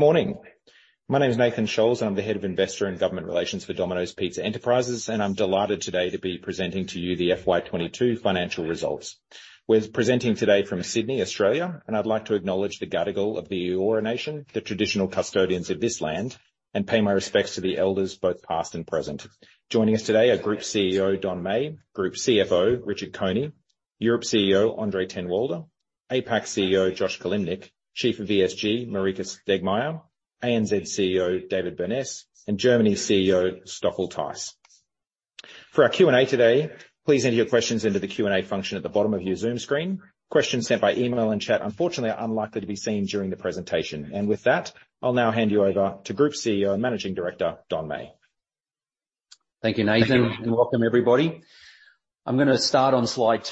Good morning. My name is Nathan Scholz, and I'm the Head of Investor and Government Relations for Domino's Pizza Enterprises, and I'm delighted today to be presenting to you the FY 2022 financial results. We're presenting today from Sydney, Australia, and I'd like to acknowledge the Gadigal of the Eora Nation, the traditional custodians of this land, and pay my respects to the elders both past and present. Joining us today are Group CEO Don Meij, Group CFO Richard Coney, Europe CEO André ten Wolde, APAC CEO Josh Kilimnik, Chief of ESG Marika Stegmeijer, ANZ CEO David Burness, and Germany CEO Stoffel Thijs. For our Q&A today, please enter your questions into the Q&A function at the bottom of your Zoom screen. Questions sent by email and chat unfortunately are unlikely to be seen during the presentation. With that, I'll now hand you over to Group CEO and Managing Director Don Meij. Thank you, Nathan, and welcome everybody. I'm going to start on Slide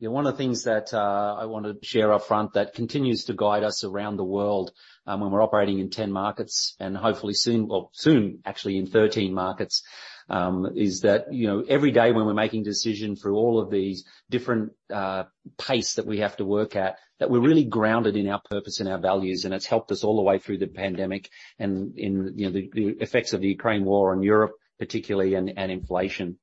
2. One of the things that I want to share upfront that continues to guide us around the world when we're operating in 10 markets and hopefully soon, well, soon actually in 13 markets, is that every day when we're making decisions through all of these different paces that we have to work at, that we're really grounded in our purpose and our values, and it's helped us all the way through the pandemic and the effects of the Ukraine war on Europe particularly and inflation.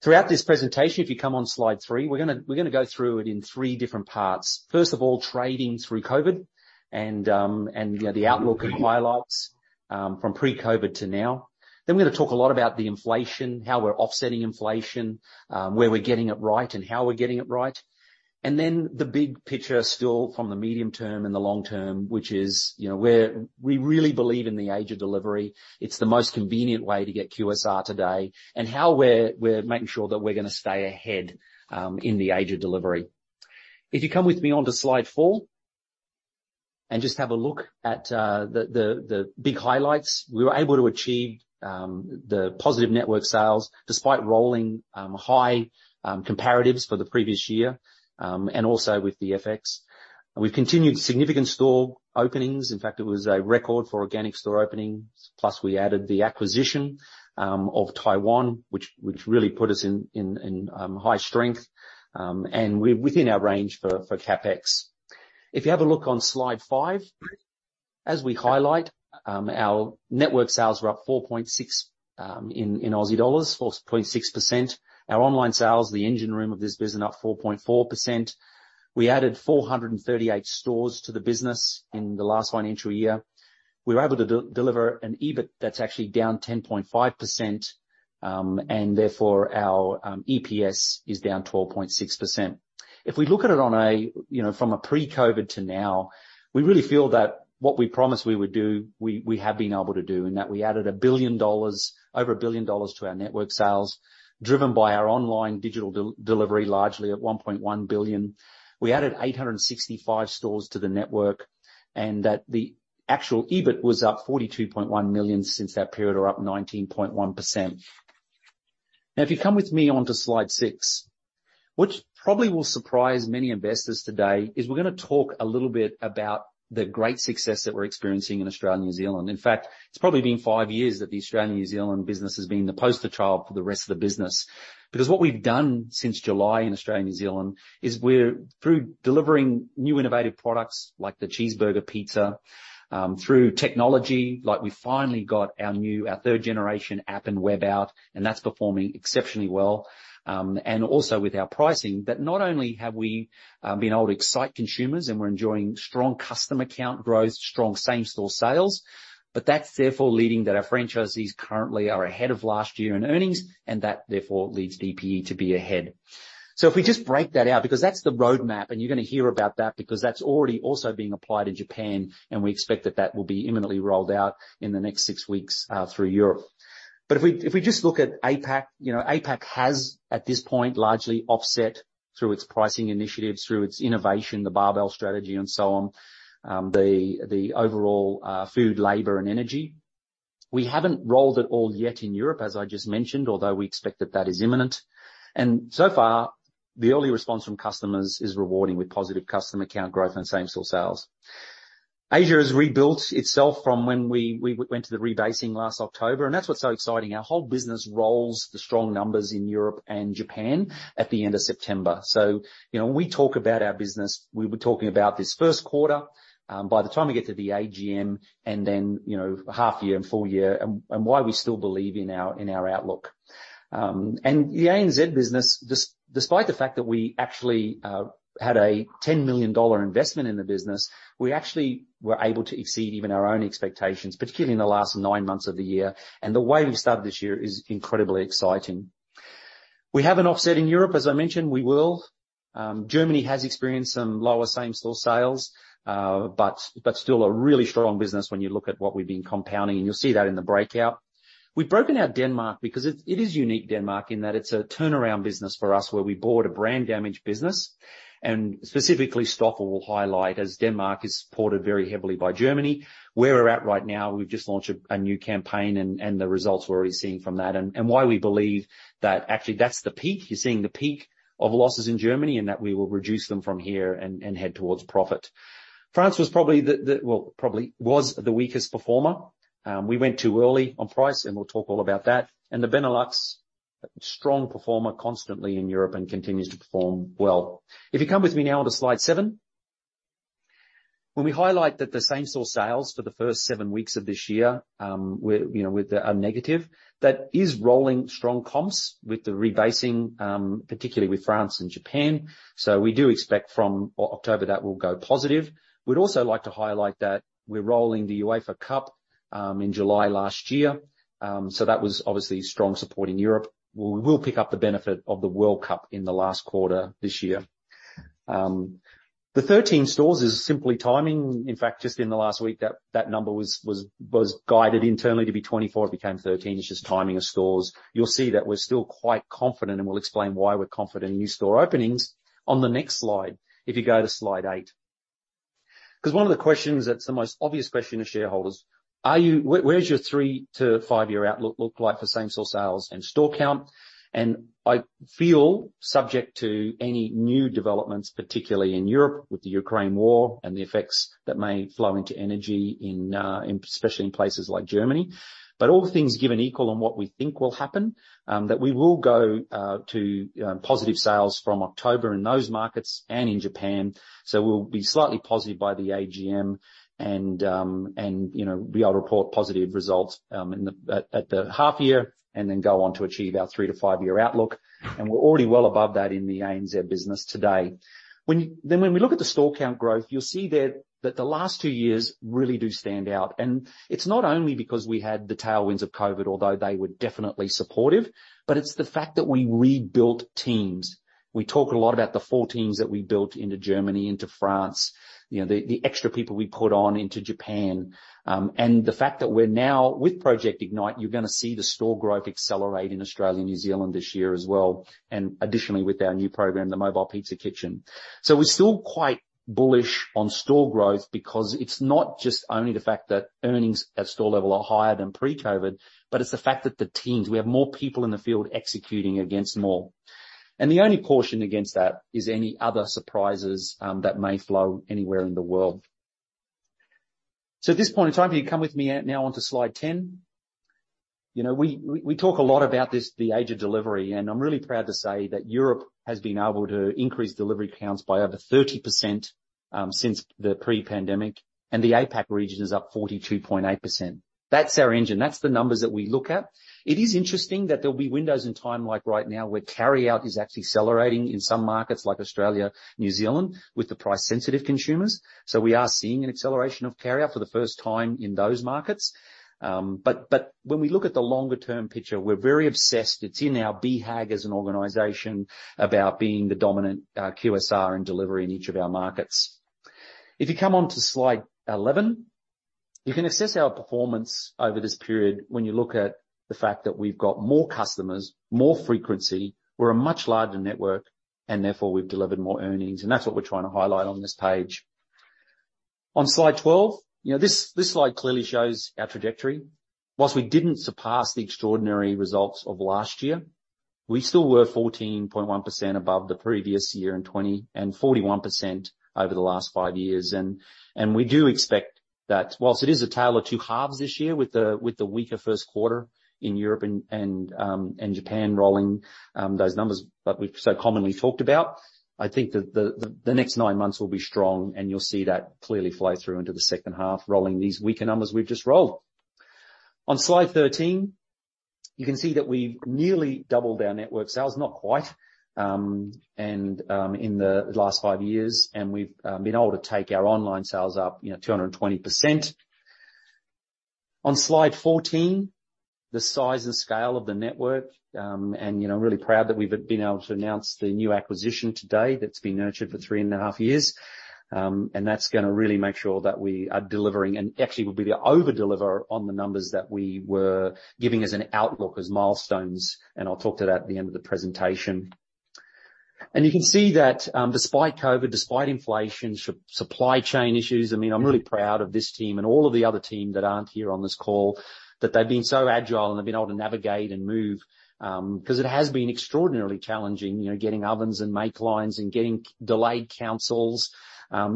Throughout this presentation, if you come on Slide 3, we're going to go through it in three different parts. First of all, trading through COVID and the outlook and highlights from pre-COVID to now. Then we're going to talk a lot about the inflation, how we're offsetting inflation, where we're getting it right and how we're getting it right. And then the big picture still from the medium term and the long term, which is where we really believe in the age of delivery. It's the most convenient way to get QSR today and how we're making sure that we're going to stay ahead in the age of delivery. If you come with me onto Slide 4 and just have a look at the big highlights, we were able to achieve the positive network sales despite rolling high comparatives for the previous year and also with the FX. We've continued significant store openings. In fact, it was a record for organic store openings, plus we added the acquisition of Taiwan, which really put us in high strength and within our range for CapEx. If you have a look on Slide 5, as we highlight, our network sales were up 4.6% in AUD, 4.6%. Our online sales, the engine room of this business, up 4.4%. We added 438 stores to the business in the last financial year. We were able to deliver an EBIT that's actually down 10.5%, and therefore our EPS is down 12.6%. If we look at it from pre-COVID to now, we really feel that what we promised we would do, we have been able to do, and that we added over 1 billion dollars to our network sales, driven by our online digital delivery largely at 1.1 billion. We added 865 stores to the network, and that the actual EBIT was up 42.1 million since that period, or up 19.1%. Now, if you come with me onto Slide 6, what probably will surprise many investors today is we're going to talk a little bit about the great success that we're experiencing in Australia and New Zealand. In fact, it's probably been five years that the Australia and New Zealand business has been the poster child for the rest of the business. Because what we've done since July in Australia and New Zealand is we're, through delivering new innovative products like the Cheeseburger Pizza, through technology, like we finally got our third-generation app and web out, and that's performing exceptionally well, and also with our pricing, that not only have we been able to excite consumers and we're enjoying strong customer count growth, strong same-store sales, but that's therefore leading that our franchisees currently are ahead of last year in earnings, and that therefore leads DPE to be ahead. If we just break that out, because that's the roadmap, and you're going to hear about that because that's already also being applied in Japan, and we expect that that will be imminently rolled out in the next six weeks through Europe. But if we just look at APAC, APAC has at this point largely offset through its pricing initiatives, through its innovation, the barbell strategy, and so on, the overall food, labor, and energy. We haven't rolled it all yet in Europe, as I just mentioned, although we expect that that is imminent. So far, the early response from customers is rewarding with positive customer count growth and same-store sales. Asia has rebuilt itself from when we went to the rebasing last October, and that's what's so exciting. Our whole business showed strong numbers in Europe and Japan at the end of September. So when we talk about our business, we're talking about this first quarter, by the time we get to the AGM, and then half-year and full-year, and why we still believe in our outlook, and the ANZ business, despite the fact that we actually had a 10 million dollar investment in the business, we actually were able to exceed even our own expectations, particularly in the last nine months of the year, and the way we've started this year is incredibly exciting. We haven't offset in Europe, as I mentioned, we will. Germany has experienced some lower same-store sales, but still a really strong business when you look at what we've been compounding, and you'll see that in the breakout. We've broken out Denmark because it is unique, Denmark, in that it's a turnaround business for us where we bought a brand-damaged business. And specifically, Stoffel will highlight as Denmark is supported very heavily by Germany. Where we're at right now, we've just launched a new campaign, and the results we're already seeing from that, and why we believe that actually that's the peak. You're seeing the peak of losses in Germany and that we will reduce them from here and head towards profit. France was probably, well, probably was the weakest performer. We went too early on price, and we'll talk all about that. And the Benelux, strong performer constantly in Europe and continues to perform well. If you come with me now onto Slide 7, when we highlight that the same-store sales for the first seven weeks of this year are negative, that is rolling strong comps with the rebasing, particularly with France and Japan. So we do expect from October that will go positive. We'd also like to highlight that we're rolling the UEFA Cup in July last year. So that was obviously strong support in Europe. We will pick up the benefit of the World Cup in the last quarter this year. The 13 stores is simply timing. In fact, just in the last week, that number was guided internally to be 24. It became 13. It's just timing of stores. You'll see that we're still quite confident, and we'll explain why we're confident in new store openings on the next Slide, if you go to Slide 8. Because one of the questions, that's the most obvious question to shareholders, where does your three- to five-year outlook look like for same-store sales and store count? And I feel subject to any new developments, particularly in Europe with the Ukraine war and the effects that may flow into energy, especially in places like Germany. But all things given equal on what we think will happen, that we will go to positive sales from October in those markets and in Japan. So we'll be slightly positive by the AGM and be able to report positive results at the half-year and then go on to achieve our three to five-year outlook. And we're already well above that in the ANZ business today. Then when we look at the store count growth, you'll see that the last two years really do stand out. And it's not only because we had the tailwinds of COVID, although they were definitely supportive, but it's the fact that we rebuilt teams. We talk a lot about the four teams that we built into Germany, into France, the extra people we put on into Japan. And the fact that we're now with Project Ignite, you're going to see the store growth accelerate in Australia and New Zealand this year as well. And additionally, with our new program, the Mobile Pizza Kitchen. So we're still quite bullish on store growth because it's not just only the fact that earnings at store level are higher than pre-COVID, but it's the fact that the teams, we have more people in the field executing against more. And the only caution against that is any other surprises that may flow anywhere in the world. So at this point in time, if you come with me now onto Slide 10, we talk a lot about the age of delivery, and I'm really proud to say that Europe has been able to increase delivery counts by over 30% since the pre-pandemic, and the APAC region is up 42.8%. That's our engine. That's the numbers that we look at. It is interesting that there'll be windows in time like right now where carryout is actually accelerating in some markets like Australia and New Zealand with the price-sensitive consumers. So we are seeing an acceleration of carryout for the first time in those markets. But when we look at the longer-term picture, we're very obsessed. It's in our BHAG as an organization about being the dominant QSR and delivery in each of our markets. If you come onto Slide 11, you can assess our performance over this period when you look at the fact that we've got more customers, more frequency, we're a much larger network, and therefore we've delivered more earnings. And that's what we're trying to highlight on this page. On Slide 12, this slide clearly shows our trajectory. While we didn't surpass the extraordinary results of last year, we still were 14.1% above the previous year and 41% over the last five years. We do expect that while it is a tale of two halves this year with the weaker first quarter in Europe and Japan rolling those numbers that we've so commonly talked about, I think the next nine months will be strong, and you'll see that clearly flow through into the second half rolling these weaker numbers we've just rolled. On Slide 13, you can see that we've nearly doubled our network sales, not quite, in the last five years, and we've been able to take our online sales up 220%. On Slide 14, the size and scale of the network, and I'm really proud that we've been able to announce the new acquisition today that's been nurtured for three and a half years. And that's going to really make sure that we are delivering and actually will be the over-deliver on the numbers that we were giving as an outlook as milestones, and I'll talk to that at the end of the presentation. And you can see that despite COVID, despite inflation, supply chain issues, I mean, I'm really proud of this team and all of the other team that aren't here on this call, that they've been so agile and they've been able to navigate and move. Because it has been extraordinarily challenging getting ovens and make lines and getting delayed councils.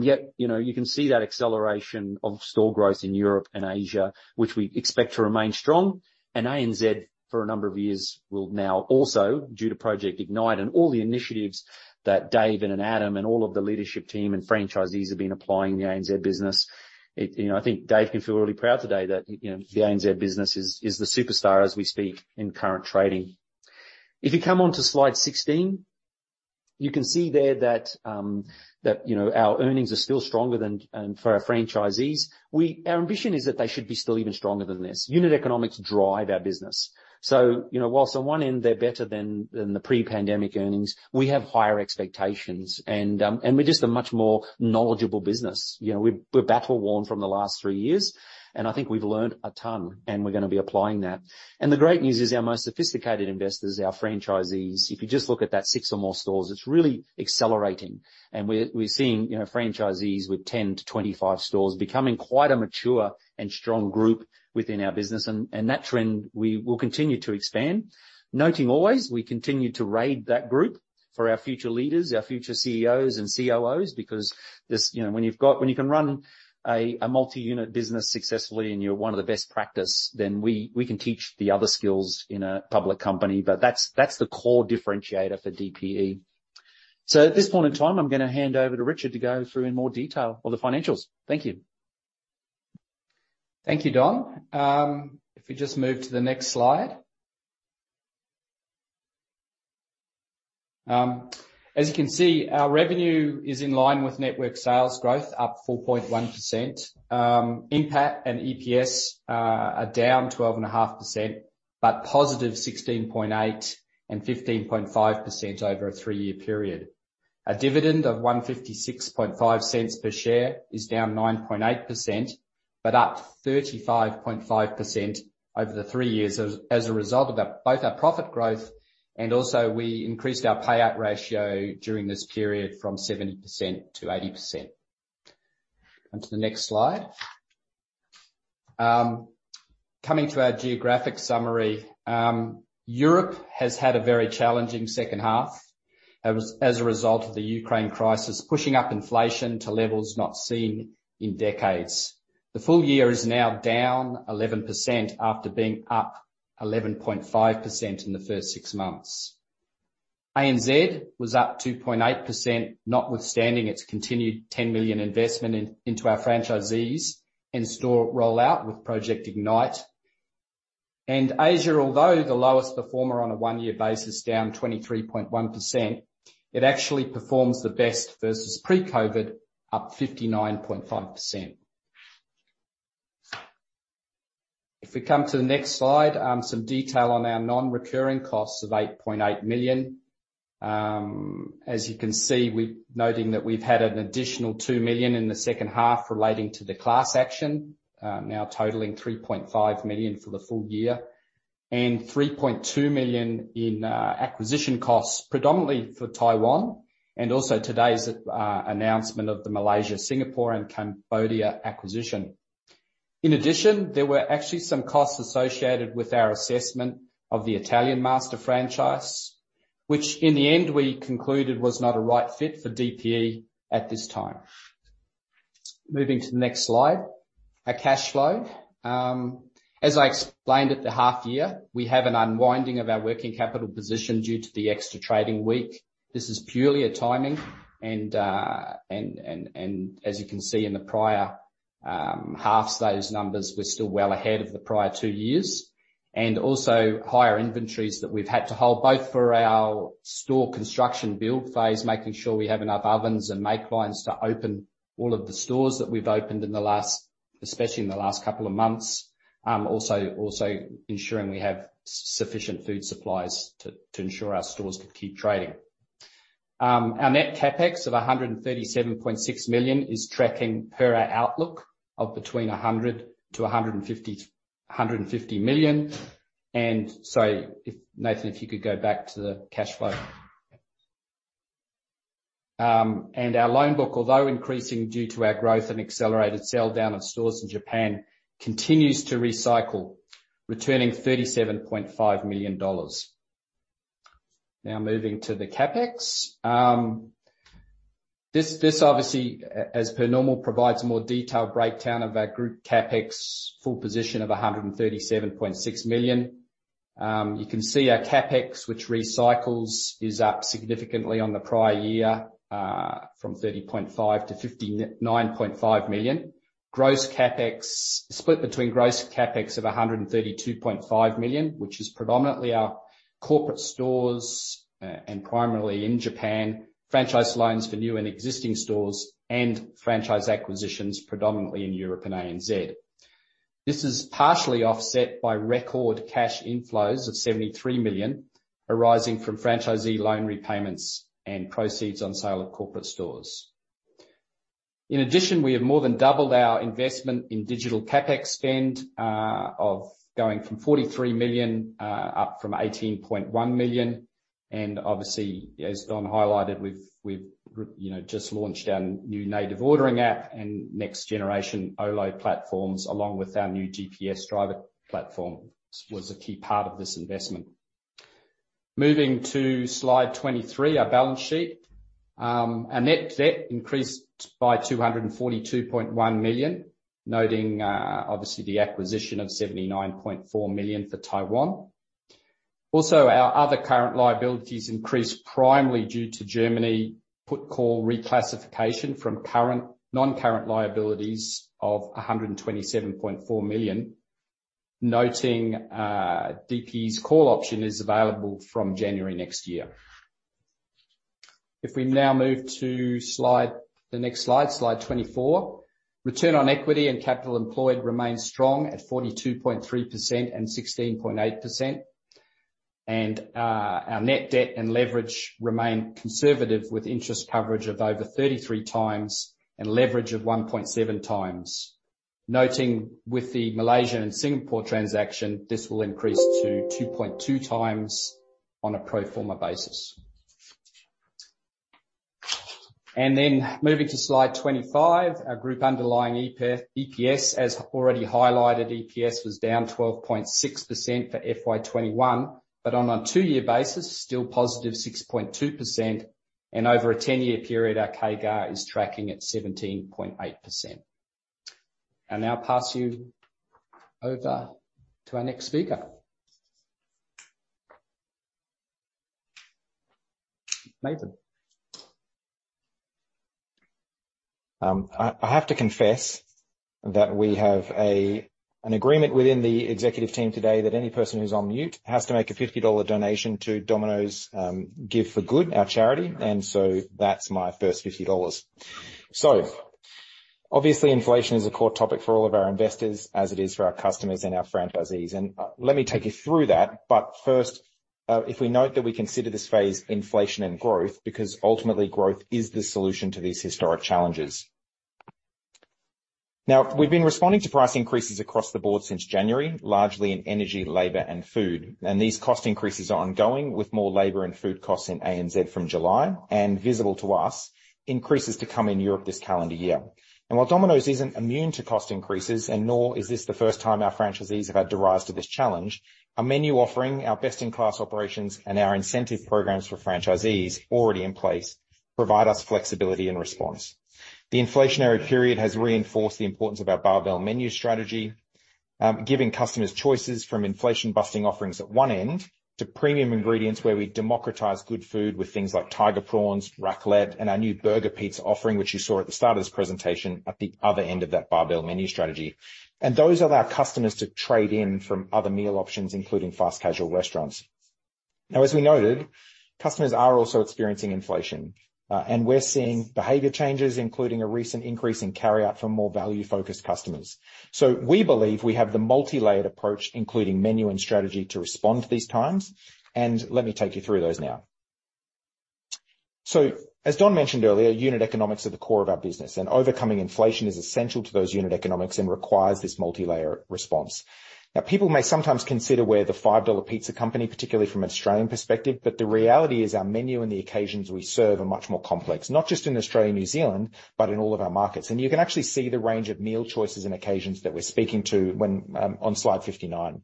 Yet you can see that acceleration of store growth in Europe and Asia, which we expect to remain strong. And ANZ, for a number of years, will now also, due to Project Ignite and all the initiatives that Dave and Adam and all of the leadership team and franchisees have been applying in the ANZ business. I think Dave can feel really proud today that the ANZ business is the superstar as we speak in current trading. If you come onto Slide 16, you can see there that our earnings are still stronger than for our franchisees. Our ambition is that they should be still even stronger than this. Unit economics drive our business. So whilst on one end, they're better than the pre-pandemic earnings, we have higher expectations, and we're just a much more knowledgeable business. We're battle-worn from the last three years, and I think we've learned a ton, and we're going to be applying that. And the great news is our most sophisticated investors, our franchisees, if you just look at that six or more stores, it's really accelerating. And we're seeing franchisees with 10 stores-25 stores becoming quite a mature and strong group within our business. And that trend, we will continue to expand. Noting always, we continue to raid that group for our future leaders, our future CEOs and COOs, because when you can run a multi-unit business successfully and you're one of the best practice, then we can teach the other skills in a public company. But that's the core differentiator for DPE. So at this point in time, I'm going to hand over to Richard to go through in more detail of the financials. Thank you. Thank you, Don. If we just move to the next slide. As you can see, our revenue is in line with network sales growth, up 4.1%. NPAT and EPS are down 12.5%, but +16.8% and 15.5% over a three-year period. A dividend of 1.565 per share is down 9.8%, but up 35.5% over the three years as a result of both our profit growth and also we increased our payout ratio during this period from 70%-80%. Onto the next slide. Coming to our geographic summary, Europe has had a very challenging second half as a result of the Ukraine crisis, pushing up inflation to levels not seen in decades. The full year is now down 11% after being up 11.5% in the first six months. ANZ was up 2.8%, notwithstanding its continued 10 million investment into our franchisees and store rollout with Project Ignite.Asia, although the lowest performer on a one-year basis, down 23.1%, it actually performs the best versus pre-COVID, up 59.5%. If we come to the next slide, some detail on our non-recurring costs of 8.8 million. As you can see, we're noting that we've had an additional 2 million in the second half relating to the class action, now totaling 3.5 million for the full year, and 3.2 million in acquisition costs, predominantly for Taiwan and also today's announcement of the Malaysia, Singapore, and Cambodia acquisition. In addition, there were actually some costs associated with our assessment of the Italian master franchise, which in the end we concluded was not a right fit for DPE at this time. Moving to the next slide. Our cash flow. As I explained at the half-year, we have an unwinding of our working capital position due to the extra trading week. This is purely a timing. And as you can see in the prior half, those numbers were still well ahead of the prior two years. And also higher inventories that we've had to hold both for our store construction build phase, making sure we have enough ovens and make lines to open all of the stores that we've opened in the last, especially in the last couple of months, also ensuring we have sufficient food supplies to ensure our stores can keep trading. Our net CapEx of 137.6 million is tracking per our outlook of between 100 million to 150 million. And so Nathan, if you could go back to the cash flow. And our loan book, although increasing due to our growth and accelerated sell down of stores in Japan, continues to recycle, returning 37.5 million dollars. Now moving to the CapEx. This obviously, as per normal, provides more detailed breakdown of our group CapEx full position of 137.6 million. You can see our CapEx, which recycles, is up significantly on the prior year from 30.5 million-59.5 million. Gross CapEx, split between gross CapEx of 132.5 million, which is predominantly our corporate stores and primarily in Japan, franchise loans for new and existing stores, and franchise acquisitions predominantly in Europe and ANZ. This is partially offset by record cash inflows of 73 million arising from franchisee loan repayments and proceeds on sale of corporate stores. In addition, we have more than doubled our investment in digital CapEx spend of going from 43 million up from 18.1 million. And obviously, as Don highlighted, we've just launched our new native ordering app and next-generation OLO platforms along with our new GPS Driver platform was a key part of this investment. Moving to Slide 23, our balance sheet. Our net debt increased by 242.1 million, noting obviously the acquisition of 79.4 million for Taiwan. Also, our other current liabilities increased primarily due to Germany put call reclassification from non-current liabilities of 127.4 million, noting DPE's call option is available from January next year. If we now move to the next Slide, Slide 24, return on equity and capital employed remains strong at 42.3% and 16.8%, and our net debt and leverage remain conservative with interest coverage of over 33x and leverage of 1.7x. Noting with the Malaysia and Singapore transaction, this will increase to 2.2x on a pro forma basis, and then moving to Slide 25, our group underlying EPS, as already highlighted, EPS was down 12.6% for FY 2021, but on a two-year basis, still +6.2%, and over a 10-year period, our CAGR is tracking at 17.8%.I'll now pass you over to our next speaker, Nathan. I have to confess that we have an agreement within the executive team today that any person who's on mute has to make an 50 dollar donation to Domino's Give for Good, our charity, and so that's my first 50 dollars. So obviously, inflation is a core topic for all of our investors as it is for our customers and our franchisees, and let me take you through that. But first, if we note that we consider this phase inflation and growth because ultimately growth is the solution to these historic challenges. Now, we've been responding to price increases across the board since January, largely in energy, labor, and food. And these cost increases are ongoing with more labor and food costs in ANZ from July and visible to us, increases to come in Europe this calendar year. And while Domino's isn't immune to cost increases, and nor is this the first time our franchisees have had to rise to this challenge, our menu offering, our best-in-class operations, and our incentive programs for franchisees already in place provide us flexibility and response. The inflationary period has reinforced the importance of our barbell menu strategy, giving customers choices from inflation-busting offerings at one end to premium ingredients where we democratize good food with things like tiger prawns, raclette, and our new Burger Pizza offering, which you saw at the start of this presentation at the other end of that barbell menu strategy. And those allow customers to trade in from other meal options, including fast casual restaurants. Now, as we noted, customers are also experiencing inflation, and we're seeing behavior changes, including a recent increase in carryout for more value-focused customers. We believe we have the multi-layered approach, including menu and strategy to respond to these times. Let me take you through those now. As Don mentioned earlier, unit economics are the core of our business, and overcoming inflation is essential to those unit economics and requires this multi-layered response. People may sometimes consider we're the 5 dollar pizza company, particularly from an Australian perspective, but the reality is our menu and the occasions we serve are much more complex, not just in Australia and New Zealand, but in all of our markets. You can actually see the range of meal choices and occasions that we're speaking to on Slide 59.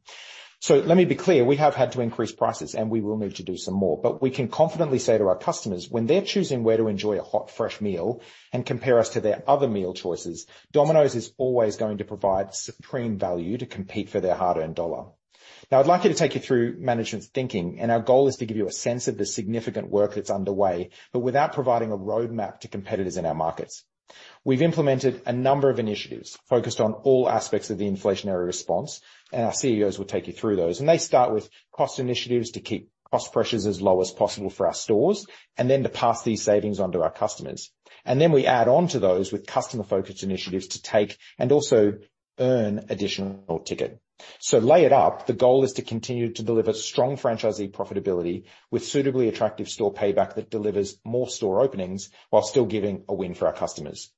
Let me be clear, we have had to increase prices, and we will need to do some more. But we can confidently say to our customers, when they're choosing where to enjoy a hot, fresh meal and compare us to their other meal choices, Domino's is always going to provide supreme value to compete for their hard-earned dollar. Now, I'd like to take you through management's thinking, and our goal is to give you a sense of the significant work that's underway, but without providing a roadmap to competitors in our markets. We've implemented a number of initiatives focused on all aspects of the inflationary response, and our CEOs will take you through those. They start with cost initiatives to keep cost pressures as low as possible for our stores and then to pass these savings on to our customers. Then we add on to those with customer-focused initiatives to take and also earn additional ticket. So, lay it out. The goal is to continue to deliver strong franchisee profitability with suitably attractive store payback that delivers more store openings while still giving a win for our customers.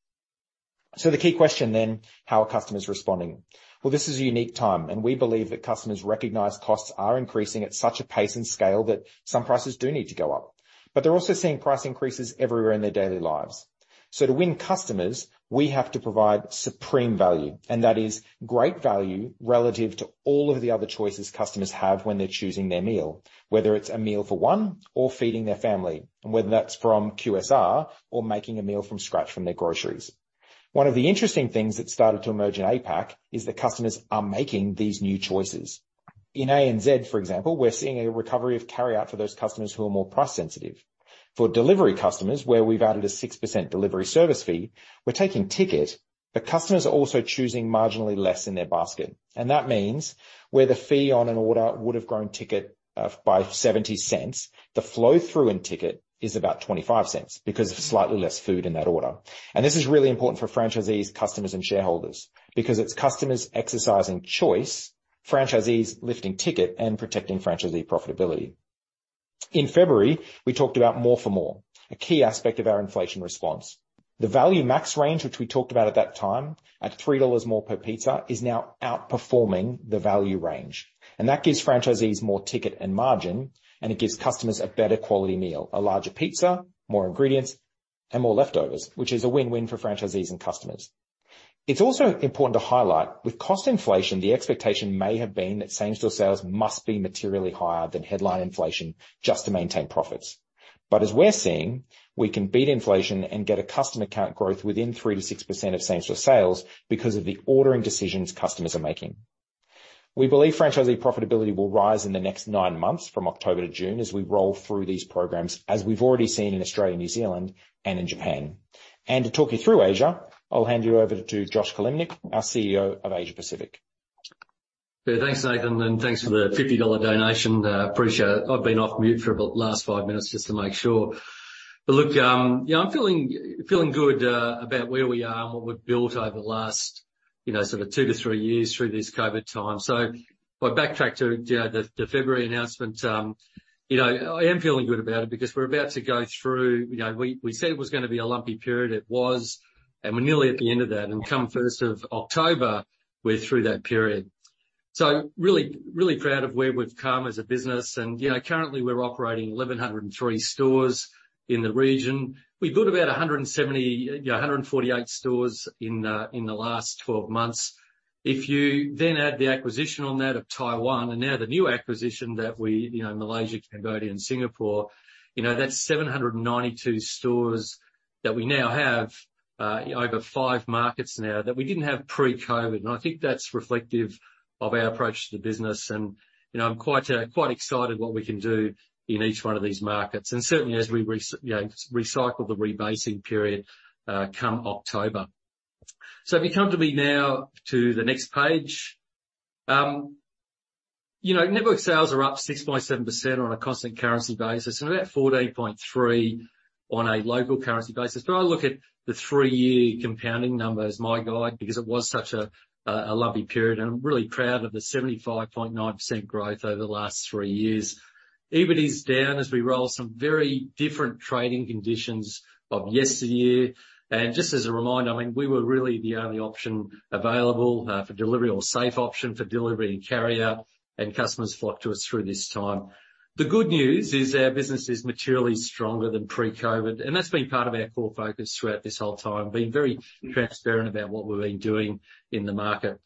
So, the key question then is, how are customers responding? Well, this is a unique time, and we believe that customers recognize costs are increasing at such a pace and scale that some prices do need to go up. But they're also seeing price increases everywhere in their daily lives. So, to win customers, we have to provide supreme value, and that is great value relative to all of the other choices customers have when they're choosing their meal, whether it's a meal for one or feeding their family, and whether that's from QSR or making a meal from scratch from their groceries. One of the interesting things that started to emerge in APAC is that customers are making these new choices. In ANZ, for example, we're seeing a recovery of carryout for those customers who are more price sensitive. For delivery customers, where we've added a 6% delivery service fee, we're taking ticket, but customers are also choosing marginally less in their basket. And that means where the fee on an order would have grown ticket by 0.70, the flow-through in ticket is about 0.25 because of slightly less food in that order. And this is really important for franchisees, customers, and shareholders because it's customers exercising choice, franchisees lifting ticket, and protecting franchisee profitability. In February, we talked about more for more, a key aspect of our inflation response. The Value Max range, which we talked about at that time at 3 dollars more per pizza, is now outperforming the value range. And that gives franchisees more ticket and margin, and it gives customers a better quality meal, a larger pizza, more ingredients, and more leftovers, which is a win-win for franchisees and customers. It's also important to highlight, with cost inflation, the expectation may have been that same-store sales must be materially higher than headline inflation just to maintain profits. But as we're seeing, we can beat inflation and get a customer account growth within 3%-6% of same-store sales because of the ordering decisions customers are making. We believe franchisee profitability will rise in the next nine months from October to June as we roll through these programs, as we've already seen in Australia, New Zealand, and in Japan.To talk you through Asia, I'll hand you over to Josh Kilimnik, our CEO of Asia Pacific. Thanks, Nathan, and thanks for the 50 dollar donation. I appreciate it. I've been off mute for the last five minutes just to make sure. Look, yeah, I'm feeling good about where we are and what we've built over the last sort of two to three years through this COVID time. If I backtrack to the February announcement, I am feeling good about it because we're about to go through, we said it was going to be a lumpy period, it was, and we're nearly at the end of that. Come 1st of October, we're through that period. Really, really proud of where we've come as a business. Currently, we're operating 1,103 stores in the region. We built about 148 stores in the last 12 months. If you then add the acquisition on that of Taiwan and now the new acquisition that we, Malaysia, Cambodia, and Singapore, that's 792 stores that we now have over five markets now that we didn't have pre-COVID. And I think that's reflective of our approach to the business. And I'm quite excited what we can do in each one of these markets and certainly as we recycle the rebasing period come October. So if you come with me now to the next page, network sales are up 6.7% on a constant currency basis and about 14.3% on a local currency basis. But I look at the three-year compounding numbers, my guide, because it was such a lumpy period. And I'm really proud of the 75.9% growth over the last three years. EBIT is down as we roll some very different trading conditions of yesteryear. Just as a reminder, I mean, we were really the only option available for delivery or safe option for delivery and carryout, and customers flocked to us through this time. The good news is our business is materially stronger than pre-COVID. That's been part of our core focus throughout this whole time, being very transparent about what we've been doing in the market.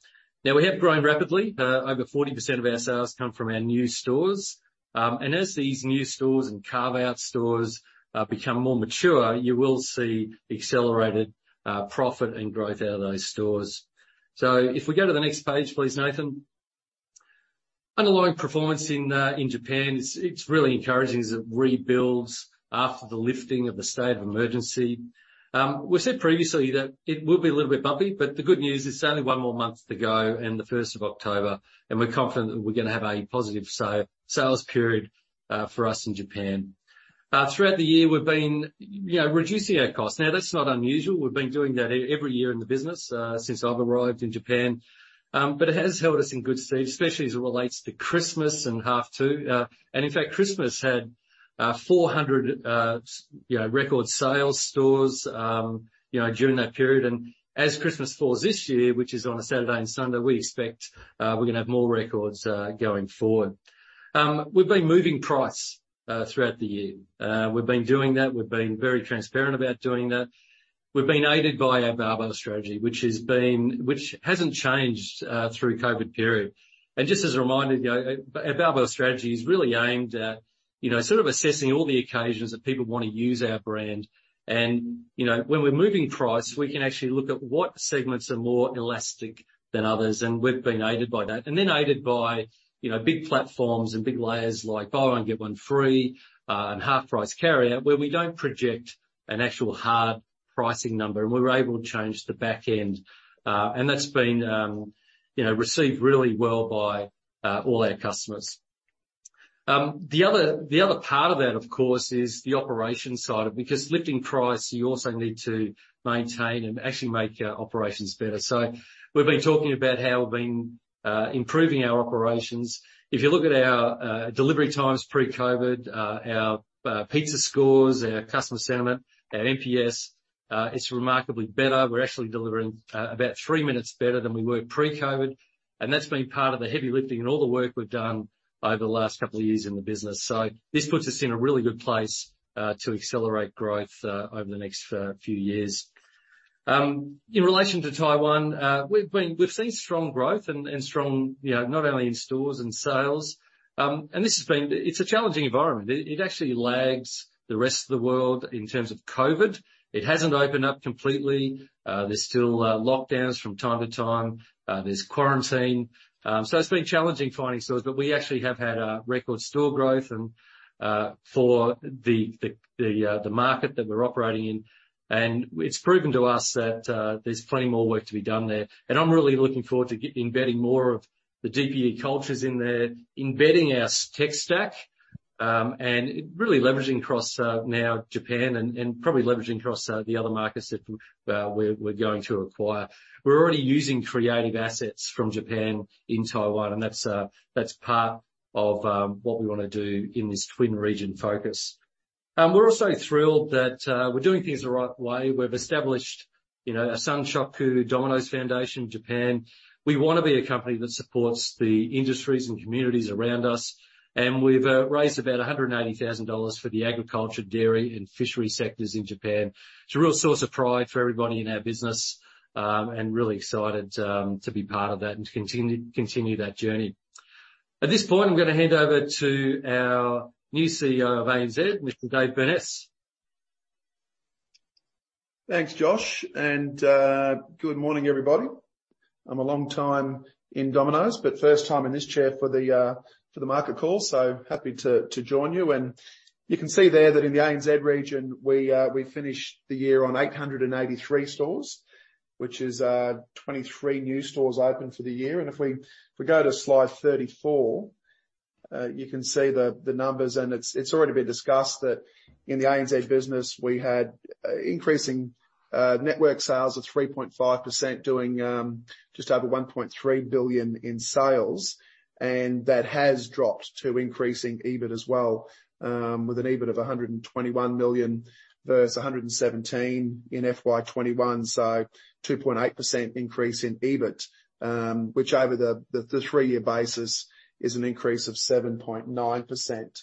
Now, we have grown rapidly. Over 40% of our sales come from our new stores. As these new stores and carve-out stores become more mature, you will see accelerated profit and growth out of those stores. If we go to the next page, please, Nathan. Underlying performance in Japan, it's really encouraging as it rebuilds after the lifting of the state of emergency. We said previously that it will be a little bit bumpy, but the good news is there's only one more month to go, and the 1st of October, and we're confident that we're going to have a positive sales period for us in Japan. Throughout the year, we've been reducing our costs. Now, that's not unusual. We've been doing that every year in the business since I've arrived in Japan. But it has held us in good stead, especially as it relates to Christmas and half two, and in fact, Christmas had 400 record sales stores during that period, and as Christmas falls this year, which is on a Saturday and Sunday, we expect we're going to have more records going forward. We've been moving price throughout the year. We've been doing that. We've been very transparent about doing that. We've been aided by our barbell strategy, which hasn't changed through the COVID period. And just as a reminder, our barbell strategy is really aimed at sort of assessing all the occasions that people want to use our brand. And when we're moving price, we can actually look at what segments are more elastic than others. And we've been aided by that. And then aided by big platforms and big layers like Buy One Get One Free and Half Price Carryout, where we don't project an actual hard pricing number. And we were able to change the back end. And that's been received really well by all our customers. The other part of that, of course, is the operation side of it because lifting price, you also need to maintain and actually make operations better, so we've been talking about how we've been improving our operations. If you look at our delivery times pre-COVID, our pizza scores, our customer sentiment, our NPS, it's remarkably better. We're actually delivering about three minutes better than we were pre-COVID, and that's been part of the heavy lifting and all the work we've done over the last couple of years in the business, so this puts us in a really good place to accelerate growth over the next few years. In relation to Taiwan, we've seen strong growth and strong, not only in stores and sales, and this has been, it's a challenging environment. It actually lags the rest of the world in terms of COVID. It hasn't opened up completely. There's still lockdowns from time to time. There's quarantine. So it's been challenging finding stores, but we actually have had record store growth for the market that we're operating in. And it's proven to us that there's plenty more work to be done there. And I'm really looking forward to embedding more of the DPE cultures in there, embedding our tech stack, and really leveraging across now Japan and probably leveraging across the other markets that we're going to acquire. We're already using creative assets from Japan in Taiwan, and that's part of what we want to do in this twin region focus. We're also thrilled that we're doing things the right way. We've established a Sanchoku Domino's Foundation in Japan. We want to be a company that supports the industries and communities around us. And we've raised about $180,000 for the agriculture, dairy, and fishery sectors in Japan. It's a real source of pride for everybody in our business and really excited to be part of that and continue that journey.At this point, I'm going to hand over to our new CEO of ANZ, Mr. Dave Burness. Thanks, Josh. And good morning, everybody. I'm a long time in Domino's, but first time in this chair for the market call, so happy to join you. And you can see there that in the ANZ region, we finished the year on 883 stores, which is 23 new stores open for the year. And if we go to Slide 34, you can see the numbers. And it's already been discussed that in the ANZ business, we had increasing network sales of 3.5%, doing just over 1.3 billion in sales. And that has dropped to increasing EBIT as well, with an EBIT of 121 million versus 117 million in FY 2021, so 2.8% increase in EBIT, which over the three-year basis is an increase of 7.9%.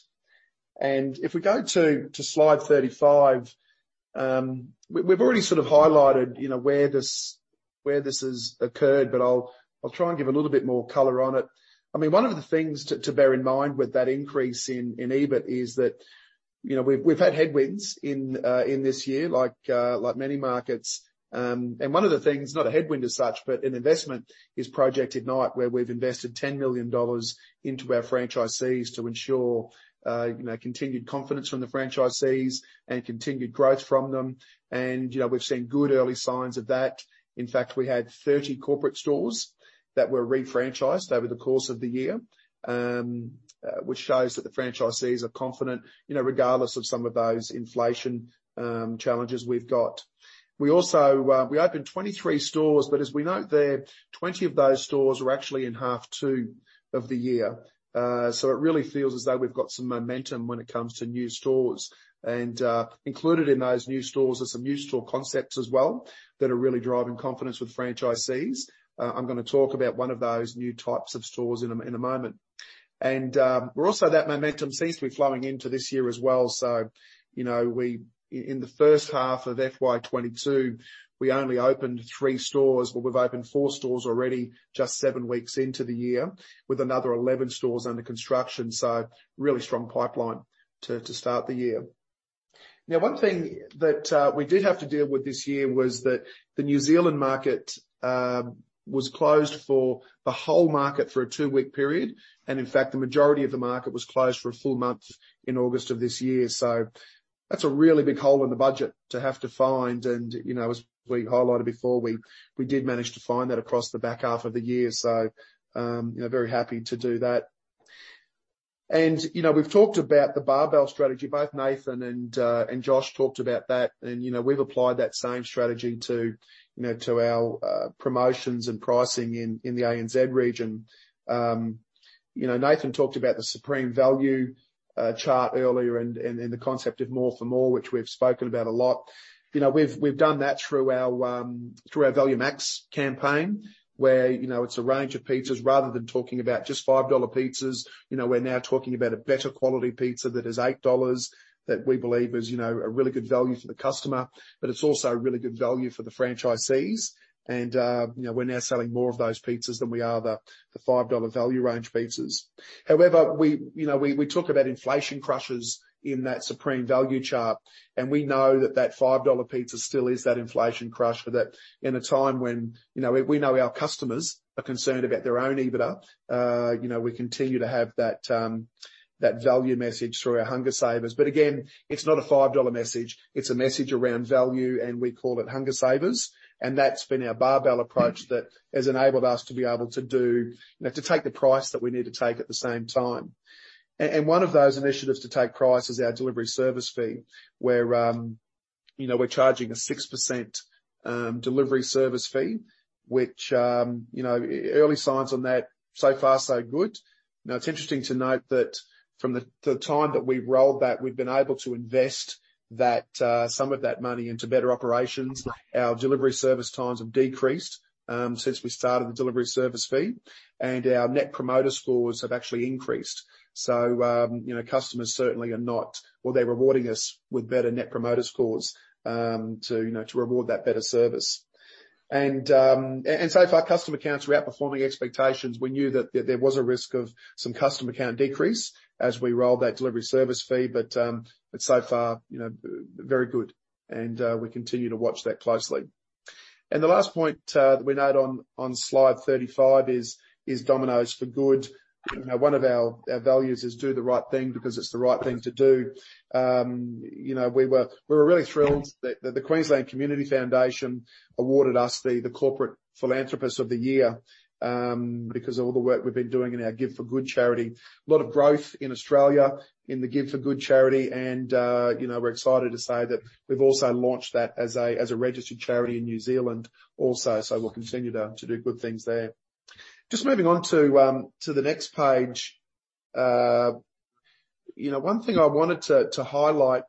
And if we go to Slide 35, we've already sort of highlighted where this has occurred, but I'll try and give a little bit more color on it. I mean, one of the things to bear in mind with that increase in EBIT is that we've had headwinds in this year, like many markets. And one of the things, not a headwind as such, but an investment is Project Ignite, where we've invested 10 million dollars into our franchisees to ensure continued confidence from the franchisees and continued growth from them. And we've seen good early signs of that. In fact, we had 30 corporate stores that were refranchised over the course of the year, which shows that the franchisees are confident regardless of some of those inflation challenges we've got. We opened 23 stores, but as we know, 20 of those stores were actually in half two of the year. So it really feels as though we've got some momentum when it comes to new stores. And included in those new stores are some new store concepts as well that are really driving confidence with franchisees. I'm going to talk about one of those new types of stores in a moment. And that momentum seems to be flowing into this year as well. So in the first half of FY 2022, we only opened three stores, but we've opened four stores already just seven weeks into the year with another 11 stores under construction. So really strong pipeline to start the year. Now, one thing that we did have to deal with this year was that the New Zealand market was closed for the whole market for a two-week period. And in fact, the majority of the market was closed for a full month in August of this year. So that's a really big hole in the budget to have to find. And as we highlighted before, we did manage to find that across the back half of the year. So very happy to do that. And we've talked about the barbell strategy. Both Nathan and Josh talked about that. And we've applied that same strategy to our promotions and pricing in the ANZ region. Nathan talked about the Supreme Value chart earlier and the concept of more for more, which we've spoken about a lot. We've done that through our Value Max campaign, where it's a range of pizzas. Rather than talking about just 5 dollar pizzas, we're now talking about a better quality pizza that is 8 dollars that we believe is a really good value for the customer. But it's also a really good value for the franchisees. And we're now selling more of those pizzas than we are the 5 dollar value range pizzas. However, we talk about inflation crushes in that Supreme Value chart. And we know that that 5 dollar pizza still is that inflation crush for that in a time when we know our customers are concerned about their own EBITDA. We continue to have that value message through our Hunger Savers. But again, it's not a 5 dollar message. It's a message around value. And we call it Hunger Savers. And that's been our barbell approach that has enabled us to be able to take the price that we need to take at the same time. And one of those initiatives to take price is our delivery service fee, where we're charging a 6% delivery service fee, which early signs on that, so far, so good. Now, it's interesting to note that from the time that we rolled that, we've been able to invest some of that money into better operations. Our delivery service times have decreased since we started the delivery service fee, and our net promoter scores have actually increased, so customers certainly are not, well, they're rewarding us with better net promoter scores to reward that better service, and so far, customer accounts are outperforming expectations. We knew that there was a risk of some customer account decrease as we rolled that delivery service fee, but so far, very good, and we continue to watch that closely, and the last point that we note on Slide 35 is Domino's for Good. One of our values is do the right thing because it's the right thing to do. We were really thrilled that the Queensland Community Foundation awarded us the Corporate Philanthropist of the Year because of all the work we've been doing in our Give for Good charity. A lot of growth in Australia in the Give for Good charity. And we're excited to say that we've also launched that as a registered charity in New Zealand also. So we'll continue to do good things there. Just moving on to the next page. One thing I wanted to highlight,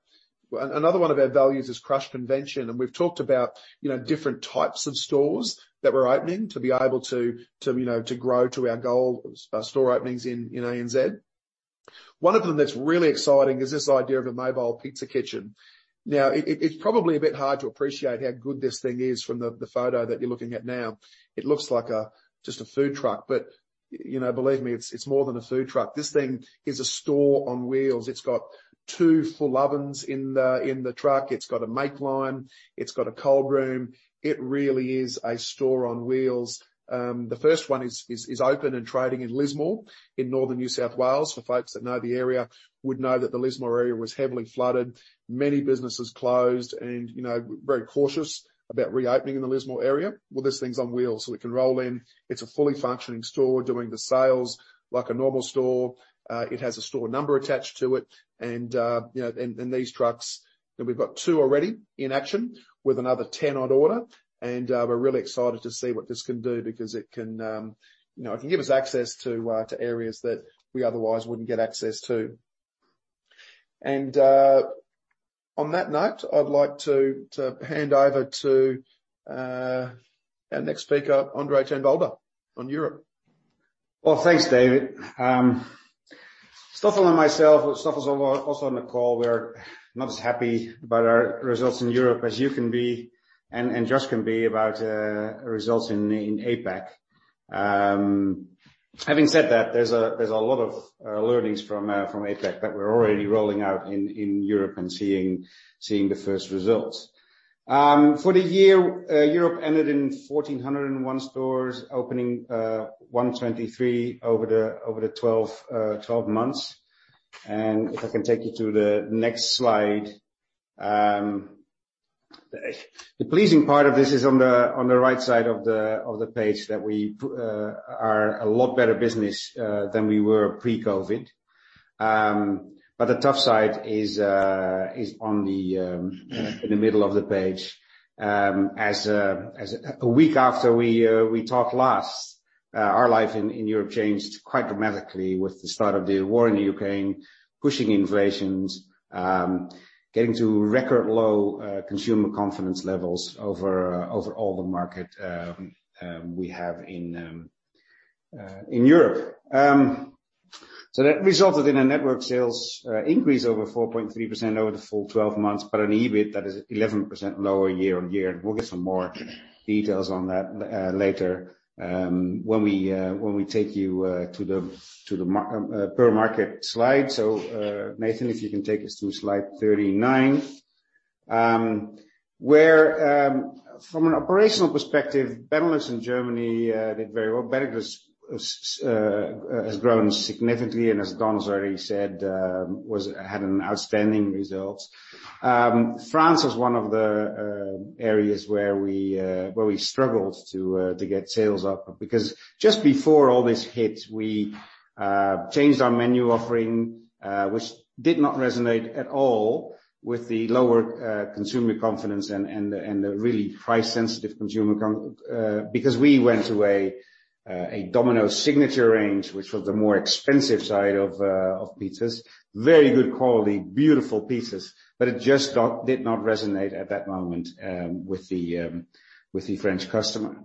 another one of our values is crush convention. And we've talked about different types of stores that we're opening to be able to grow to our goal of store openings in ANZ. One of them that's really exciting is this idea of a mobile pizza kitchen. Now, it's probably a bit hard to appreciate how good this thing is from the photo that you're looking at now. It looks like just a food truck. But believe me, it's more than a food truck. This thing is a store on wheels. It's got two full ovens in the truck. It's got a make line. It's got a cold room. It really is a store on wheels. The first one is open and trading in Lismore in northern New South Wales. For folks that know the area would know that the Lismore area was heavily flooded. Many businesses closed and very cautious about reopening in the Lismore area. Well, this thing's on wheels, so we can roll in. It's a fully functioning store doing the sales like a normal store. It has a store number attached to it. And these trucks, we've got two already in action with another 10 on order. We're really excited to see what this can do because it can give us access to areas that we otherwise wouldn't get access to. On that note, I'd like to hand over to our next speaker, André ten Wolde, on Europe. Thanks, David. Let me introduce myself and the team on the call. We're not as happy about our results in Europe as you can be and Josh can be about results in APAC. Having said that, there's a lot of learnings from APAC that we're already rolling out in Europe and seeing the first results. For the year, Europe ended in 1,401 stores, opening 123 over the 12 months. If I can take you to the next slide. The pleasing part of this is on the right side of the page that we are a lot better business than we were pre-COVID. But the tough side is in the middle of the page. Just a week after we talked last, our life in Europe changed quite dramatically with the start of the war in Ukraine, pushing inflation, getting to record low consumer confidence levels over all the market we have in Europe. So that resulted in a network sales increase over 4.3% over the full 12 months, but an EBIT that is 11% lower year-on-year. And we'll get some more details on that later when we take you to the per market slide. So Nathan, if you can take us to Slide 39, where from an operational perspective, Benelux and Germany did very well. Benelux has grown significantly and, as Don has already said, had an outstanding result. France was one of the areas where we struggled to get sales up because just before all this hit, we changed our menu offering, which did not resonate at all with the lower consumer confidence and the really price-sensitive consumer because we went to a Domino's Signature Range, which was the more expensive side of pizzas. Very good quality, beautiful pizzas, but it just did not resonate at that moment with the French customer.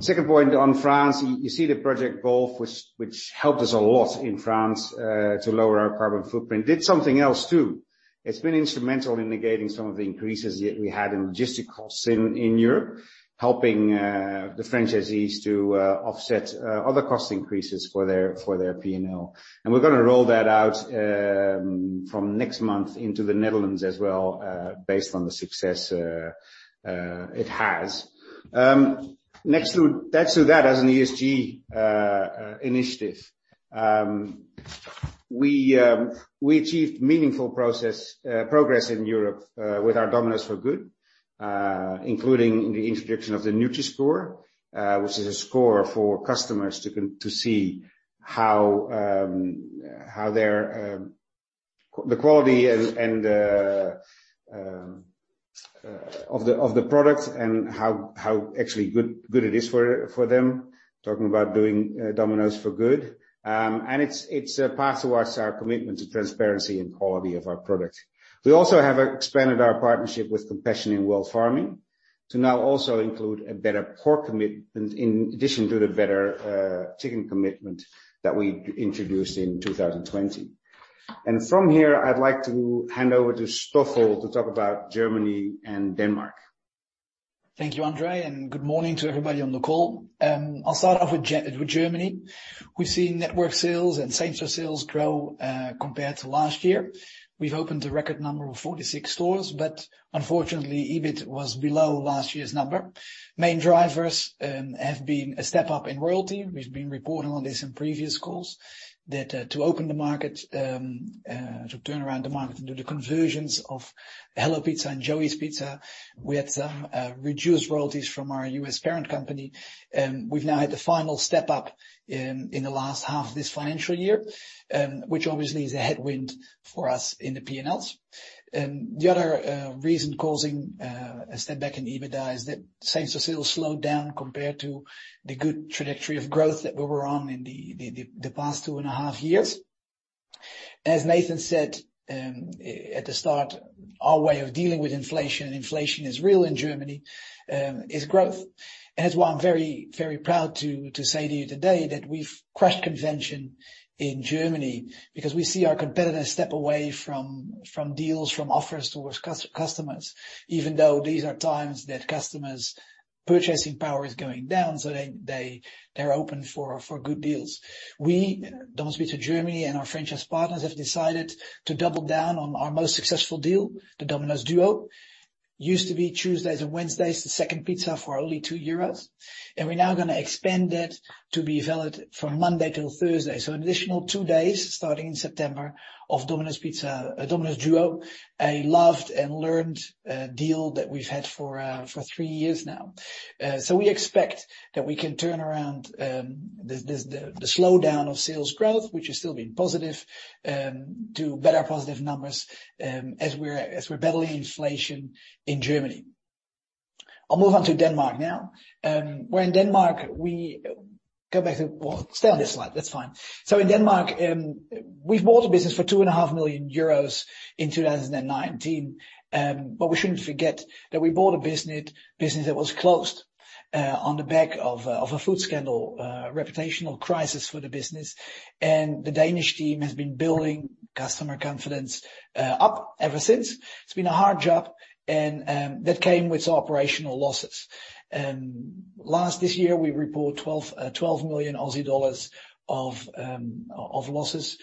Second point on France, you see the Project Golf, which helped us a lot in France to lower our carbon footprint, did something else too. It's been instrumental in negating some of the increases we had in logistics costs in Europe, helping the franchisees to offset other cost increases for their P&L. And we're going to roll that out from next month into the Netherlands as well based on the success it has. Next to that, as an ESG initiative, we achieved meaningful progress in Europe with our Domino's for Good, including the introduction of the Nutri-Score, which is a score for customers to see how the quality of the product and how actually good it is for them, talking about doing Domino's for Good. And it's a path towards our commitment to transparency and quality of our product. We also have expanded our partnership with Compassionate World Farming to now also include a Better Pork Commitment in addition to the Better Chicken Commitment that we introduced in 2020. And from here, I'd like to hand over to Stoffel to talk about Germany and Denmark. Thank you, André. And good morning to everybody on the call. I'll start off with Germany. We've seen network sales and same-store sales grow compared to last year. We've opened a record number of 46 stores, but unfortunately, EBIT was below last year's number. Main drivers have been a step up in royalty. We've been reporting on this in previous calls that to open the market, to turn around the market and do the conversions of Hallo Pizza and Joey's Pizza, we had some reduced royalties from our U.S. parent company. We've now had the final step up in the last half of this financial year, which obviously is a headwind for us in the P&Ls. The other reason causing a step back in EBITDA is that same-store sales slowed down compared to the good trajectory of growth that we were on in the past two and a half years. As Nathan said at the start, our way of dealing with inflation, and inflation is real in Germany, is growth. And that's why I'm very, very proud to say to you today that we've crushed convention in Germany because we see our competitors step away from deals, from offers towards customers, even though these are times that customers' purchasing power is going down. So they're open for good deals. We, Domino's Pizza Germany and our franchise partners, have decided to double down on our most successful deal, the Domino's Duo. Used to be Tuesdays and Wednesdays, the second pizza for only 2 euros. And we're now going to expand that to be valid from Monday till Thursday. So an additional two days starting in September of Domino's Duo, a loved and learned deal that we've had for three years now. So we expect that we can turn around the slowdown of sales growth, which has still been positive, to better positive numbers as we're battling inflation in Germany. I'll move on to Denmark now. Where in Denmark, we go back to well, stay on this slide. That's fine. So in Denmark, we've bought a business for 2.5 million euros in 2019. But we shouldn't forget that we bought a business that was closed on the back of a food scandal, a reputational crisis for the business. And the Danish team has been building customer confidence up ever since. It's been a hard job. And that came with operational losses. Last this year, we reported EUR 12 million of losses.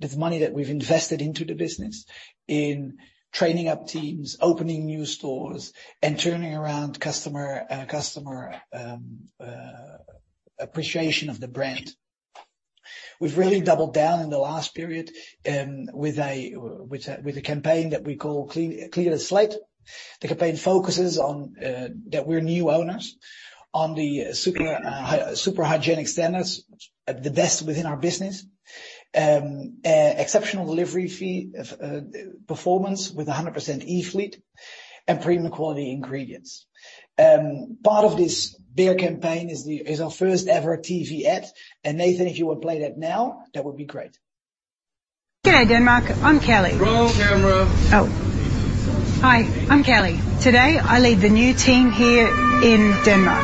That's money that we've invested into the business, in training up teams, opening new stores, and turning around customer appreciation of the brand. We've really doubled down in the last period with a campaign that we call Clear the Slate. The campaign focuses on that we're new owners on the super hygienic standards at the best within our business, exceptional delivery fee performance with 100% e-fleet, and premium quality ingredients. Part of this bigger campaign is our first-ever TV ad, and Nathan, if you want to play that now, that would be great. G'day, Denmark. I'm Kellie. Roll camera. Oh. Hi. I'm Kellie. Today, I lead the new team here in Denmark.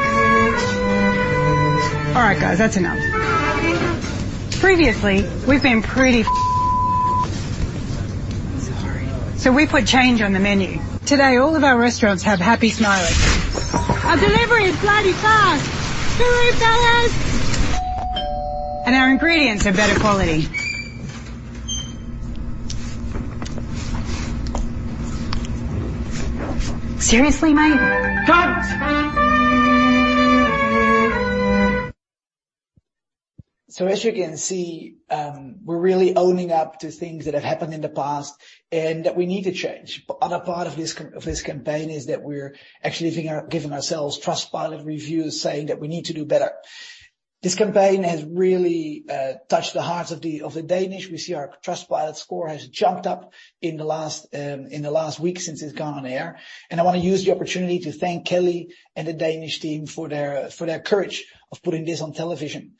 All right, guys. That's enough. Previously, we've been pretty sorry. So we put change on the menu. Today, all of our restaurants have happy smiles. Our delivery is bloody fast. EUR 2, and our ingredients are better quality. Seriously, mate? Don't. So as you can see, we're really owning up to things that have happened in the past and that we need to change. But other part of this campaign is that we're actually giving ourselves Trustpilot reviews saying that we need to do better. This campaign has really touched the hearts of the Danish. We see our Trustpilot score has jumped up in the last week since it's gone on air. And I want to use the opportunity to thank Kellie and the Danish team for their courage of putting this on television.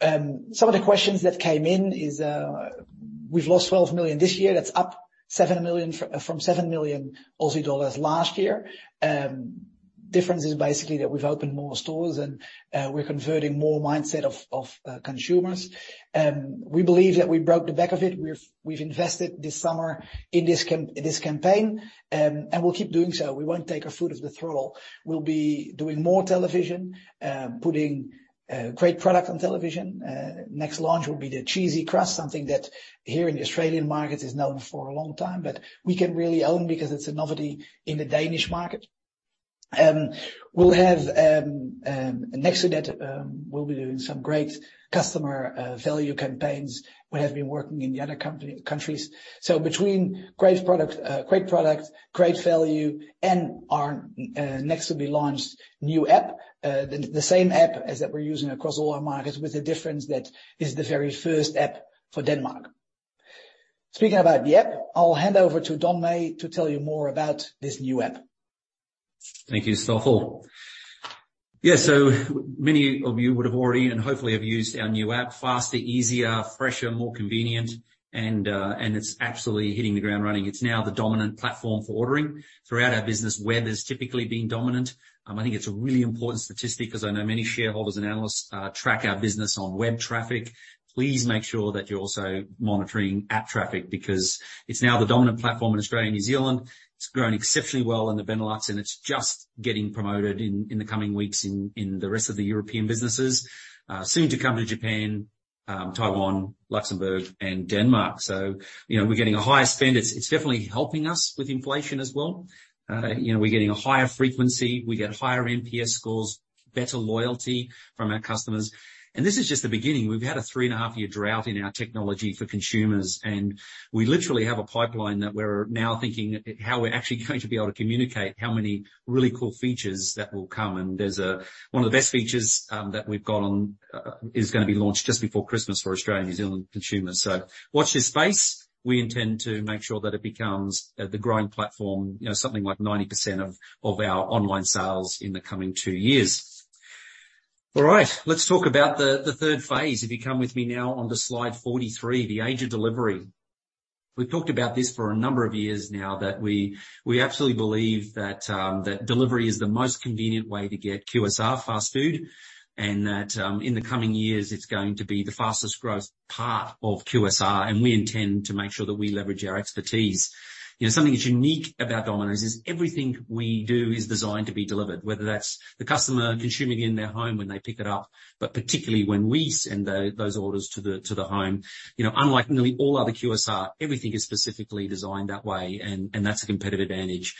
Some of the questions that came in is we've lost 12 million this year. That's up from EUR 7 million last year. The difference is basically that we've opened more stores and we're converting more mindset of consumers. We believe that we broke the back of it. We've invested this summer in this campaign and we'll keep doing so. We won't take our foot off the throttle. We'll be doing more television, putting great product on television. Next launch will be the Cheesy Crust, something that here in the Australian market is known for a long time, but we can really own because it's a novelty in the Danish market. We'll have next to that, we'll be doing some great customer value campaigns. We have been working in the other countries. So between great product, great value, and our next to be launched new app, the same app as that we're using across all our markets with the difference that it's the very first app for Denmark. Speaking about the app, I'll hand over to Don Meij to tell you more about this new app. Thank you, Stoffel. Yeah, so many of you would have already and hopefully have used our new app: faster, easier, fresher, more convenient, and it's absolutely hitting the ground running. It's now the dominant platform for ordering throughout our business. Web has typically been dominant. I think it's a really important statistic because I know many shareholders and analysts track our business on web traffic. Please make sure that you're also monitoring app traffic because it's now the dominant platform in Australia and New Zealand. It's grown exceptionally well in the Benelux, and it's just getting promoted in the coming weeks in the rest of the European businesses. Soon to come to Japan, Taiwan, Luxembourg, and Denmark. So we're getting a higher spend. It's definitely helping us with inflation as well. We're getting a higher frequency. We get higher NPS scores, better loyalty from our customers. And this is just the beginning. We've had a three-and-a-half-year drought in our technology for consumers. And we literally have a pipeline that we're now thinking how we're actually going to be able to communicate how many really cool features that will come. One of the best features that we've got on is going to be launched just before Christmas for Australian and New Zealand consumers. Watch this space. We intend to make sure that it becomes the growing platform, something like 90% of our online sales in the coming two years. All right, let's talk about the third phase. If you come with me now on to Slide 43, the age of delivery. We've talked about this for a number of years now that we absolutely believe that delivery is the most convenient way to get QSR fast food and that in the coming years, it's going to be the fastest growth part of QSR, and we intend to make sure that we leverage our expertise. Something that's unique about Domino's is everything we do is designed to be delivered, whether that's the customer consuming it in their home when they pick it up, but particularly when we send those orders to the home. Unlike nearly all other QSR, everything is specifically designed that way. And that's a competitive advantage.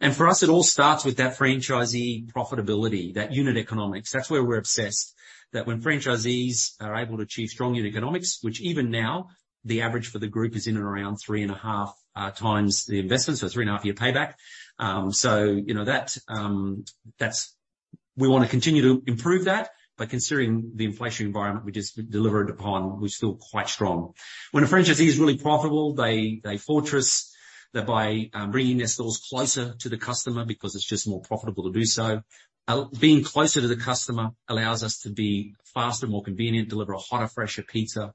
And for us, it all starts with that franchisee profitability, that unit economics. That's where we're obsessed that when franchisees are able to achieve strong unit economics, which even now, the average for the group is in and around 3.5x the investment, so three-and-a-half-year payback. So we want to continue to improve that. But considering the inflation environment we just delivered upon, we're still quite strong. When a franchisee is really profitable, they fortress by bringing their stores closer to the customer because it's just more profitable to do so. Being closer to the customer allows us to be faster, more convenient, deliver a hotter, fresher pizza,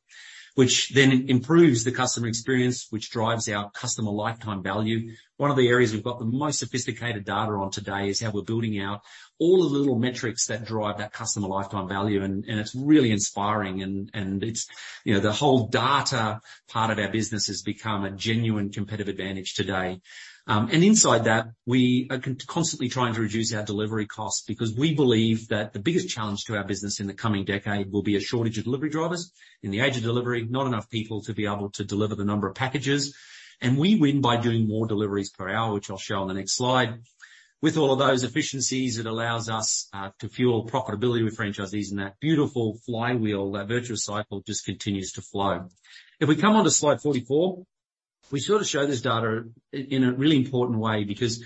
which then improves the customer experience, which drives our customer lifetime value. One of the areas we've got the most sophisticated data on today is how we're building out all the little metrics that drive that customer lifetime value. And it's really inspiring. And the whole data part of our business has become a genuine competitive advantage today. And inside that, we are constantly trying to reduce our delivery costs because we believe that the biggest challenge to our business in the coming decade will be a shortage of delivery drivers. In the age of delivery, not enough people to be able to deliver the number of packages. And we win by doing more deliveries per hour, which I'll show on the next slide. With all of those efficiencies, it allows us to fuel profitability with franchisees in that beautiful flywheel, that virtuous cycle just continues to flow. If we come on to Slide 44, we sort of show this data in a really important way because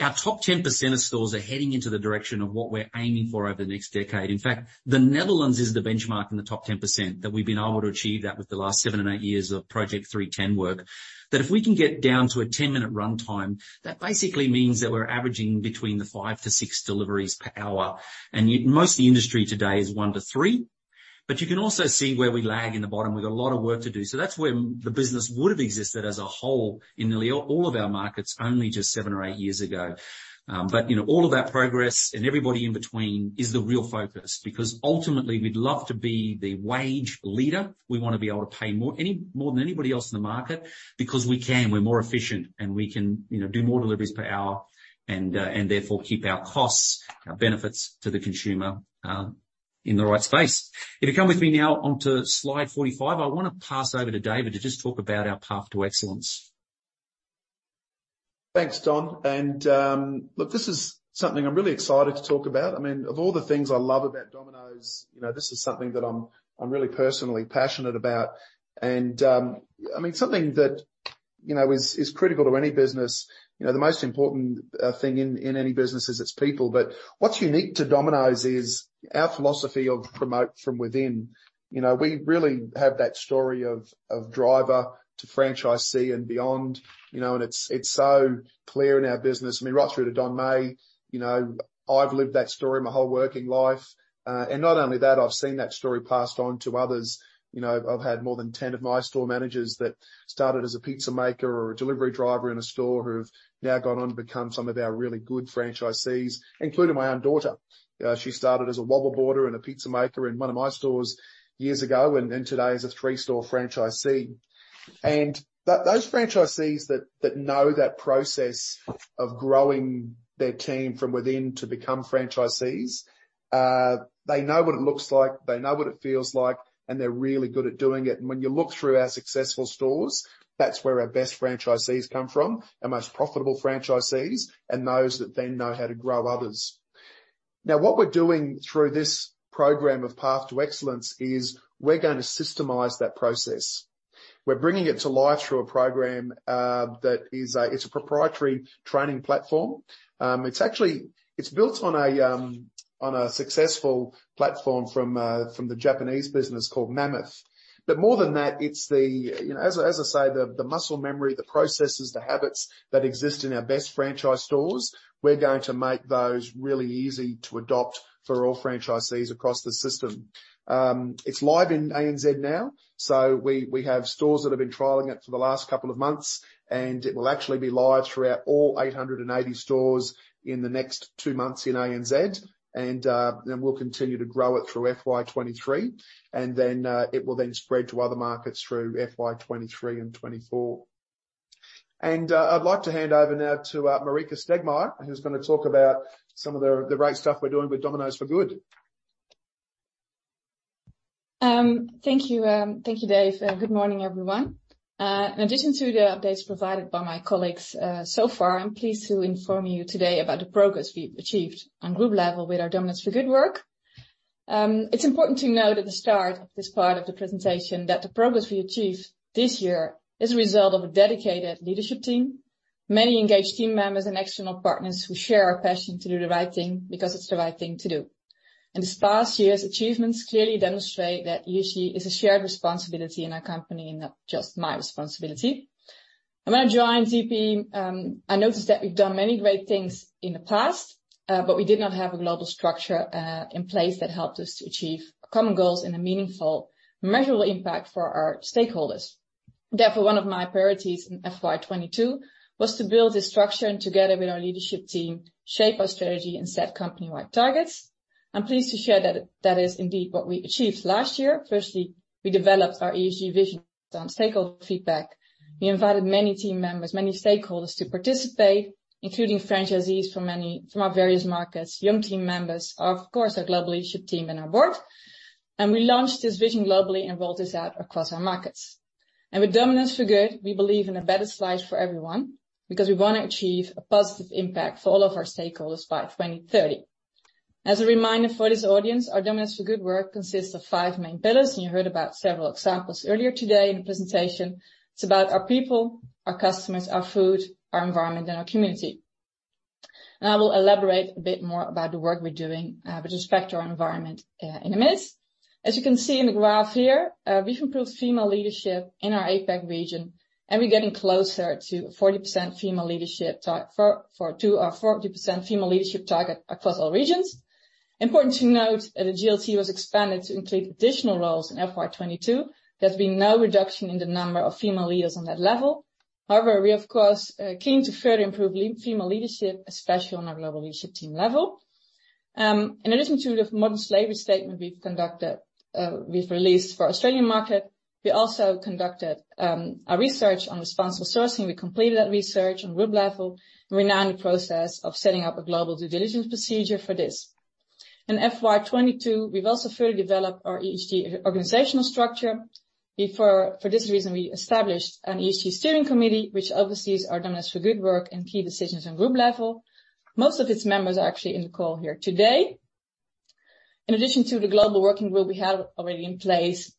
our top 10% of stores are heading into the direction of what we're aiming for over the next decade. In fact, the Netherlands is the benchmark in the top 10% that we've been able to achieve that with the last seven and eight years of Project 3-10 work. That if we can get down to a 10-minute runtime, that basically means that we're averaging between 5 deliveries-6 deliveries per hour, and most of the industry today is one to three, but you can also see where we lag in the bottom. We've got a lot of work to do. That's where the business would have existed as a whole in nearly all of our markets only just seven or eight years ago. But all of that progress and everybody in between is the real focus because ultimately, we'd love to be the wage leader. We want to be able to pay more than anybody else in the market because we can. We're more efficient, and we can do more deliveries per hour and therefore keep our costs, our benefits to the consumer in the right space. If you come with me now onto Slide 45, I want to pass over to David to just talk about our Path to Excellence. Thanks, Don. And look, this is something I'm really excited to talk about. I mean, of all the things I love about Domino's, this is something that I'm really personally passionate about. And I mean, something that is critical to any business, the most important thing in any business is its people. But what's unique to Domino's is our philosophy of promote from within. We really have that story of driver to franchisee and beyond. And it's so clear in our business. I mean, right through to Don Meij, I've lived that story my whole working life. And not only that, I've had more than 10 of my store managers that started as a pizza maker or a delivery driver in a store who have now gone on to become some of our really good franchisees, including my own daughter. She started as a wobble boarder and a pizza maker in one of my stores years ago and today is a three-store franchisee. Those franchisees that know that process of growing their team from within to become franchisees, they know what it looks like. They know what it feels like, and they're really good at doing it. When you look through our successful stores, that's where our best franchisees come from, our most profitable franchisees, and those that then know how to grow others. Now, what we're doing through this program of Path to Excellence is we're going to systemize that process. We're bringing it to life through a program that is a proprietary training platform. It's built on a successful platform from the Japanese business called Mammoth. But more than that, it's the, as I say, the muscle memory, the processes, the habits that exist in our best franchise stores. We're going to make those really easy to adopt for all franchisees across the system. It's live in ANZ now. We have stores that have been trialing it for the last couple of months, and it will actually be live throughout all 880 stores in the next two months in ANZ. We'll continue to grow it through FY 2023. Then it will spread to other markets through FY 2023 and 2024. I'd like to hand over now to Marika Stegmeijer, who's going to talk about some of the great stuff we're doing with Domino's for Good. Thank you, Dave. Good morning, everyone. In addition to the updates provided by my colleagues so far, I'm pleased to inform you today about the progress we've achieved on group level with our Domino's for Good work.It's important to note at the start of this part of the presentation that the progress we achieved this year is a result of a dedicated leadership team, many engaged team members, and external partners who share our passion to do the right thing because it's the right thing to do. And this past year's achievements clearly demonstrate that ESG is a shared responsibility in our company and not just my responsibility. And when I joined DP, I noticed that we've done many great things in the past, but we did not have a global structure in place that helped us to achieve common goals and a meaningful, measurable impact for our stakeholders. Therefore, one of my priorities in FY 2022 was to build this structure and together with our leadership team, shape our strategy and set company-wide targets. I'm pleased to share that that is indeed what we achieved last year. Firstly, we developed our ESG vision on stakeholder feedback. We invited many team members, many stakeholders to participate, including franchisees from our various markets, young team members, of course, our global leadership team, and our board. And we launched this vision globally and rolled this out across our markets. And with Domino's for Good, we believe in a better slice for everyone because we want to achieve a positive impact for all of our stakeholders by 2030. As a reminder for this audience, our Domino's for Good work consists of five main pillars. And you heard about several examples earlier today in the presentation. It's about our people, our customers, our food, our environment, and our community. And I will elaborate a bit more about the work we're doing with respect to our environment in a minute. As you can see in the graph here, we've improved female leadership in our APAC region, and we're getting closer to a 40% female leadership target across all regions. Important to note that the GLT was expanded to include additional roles in FY 2022. There's been no reduction in the number of female leaders on that level. However, we're, of course, keen to further improve female leadership, especially on our global leadership team level. In addition to the modern slavery statement we've released for the Australian market, we also conducted our research on responsible sourcing. We completed that research on group level. We're now in the process of setting up a global due diligence procedure for this. In FY 2022, we've also further developed our ESG organizational structure. For this reason, we established an ESG steering committee, which oversees our Domino's for Good work and key decisions on group level. Most of its members are actually in the call here today. In addition to the global working group we have already in place,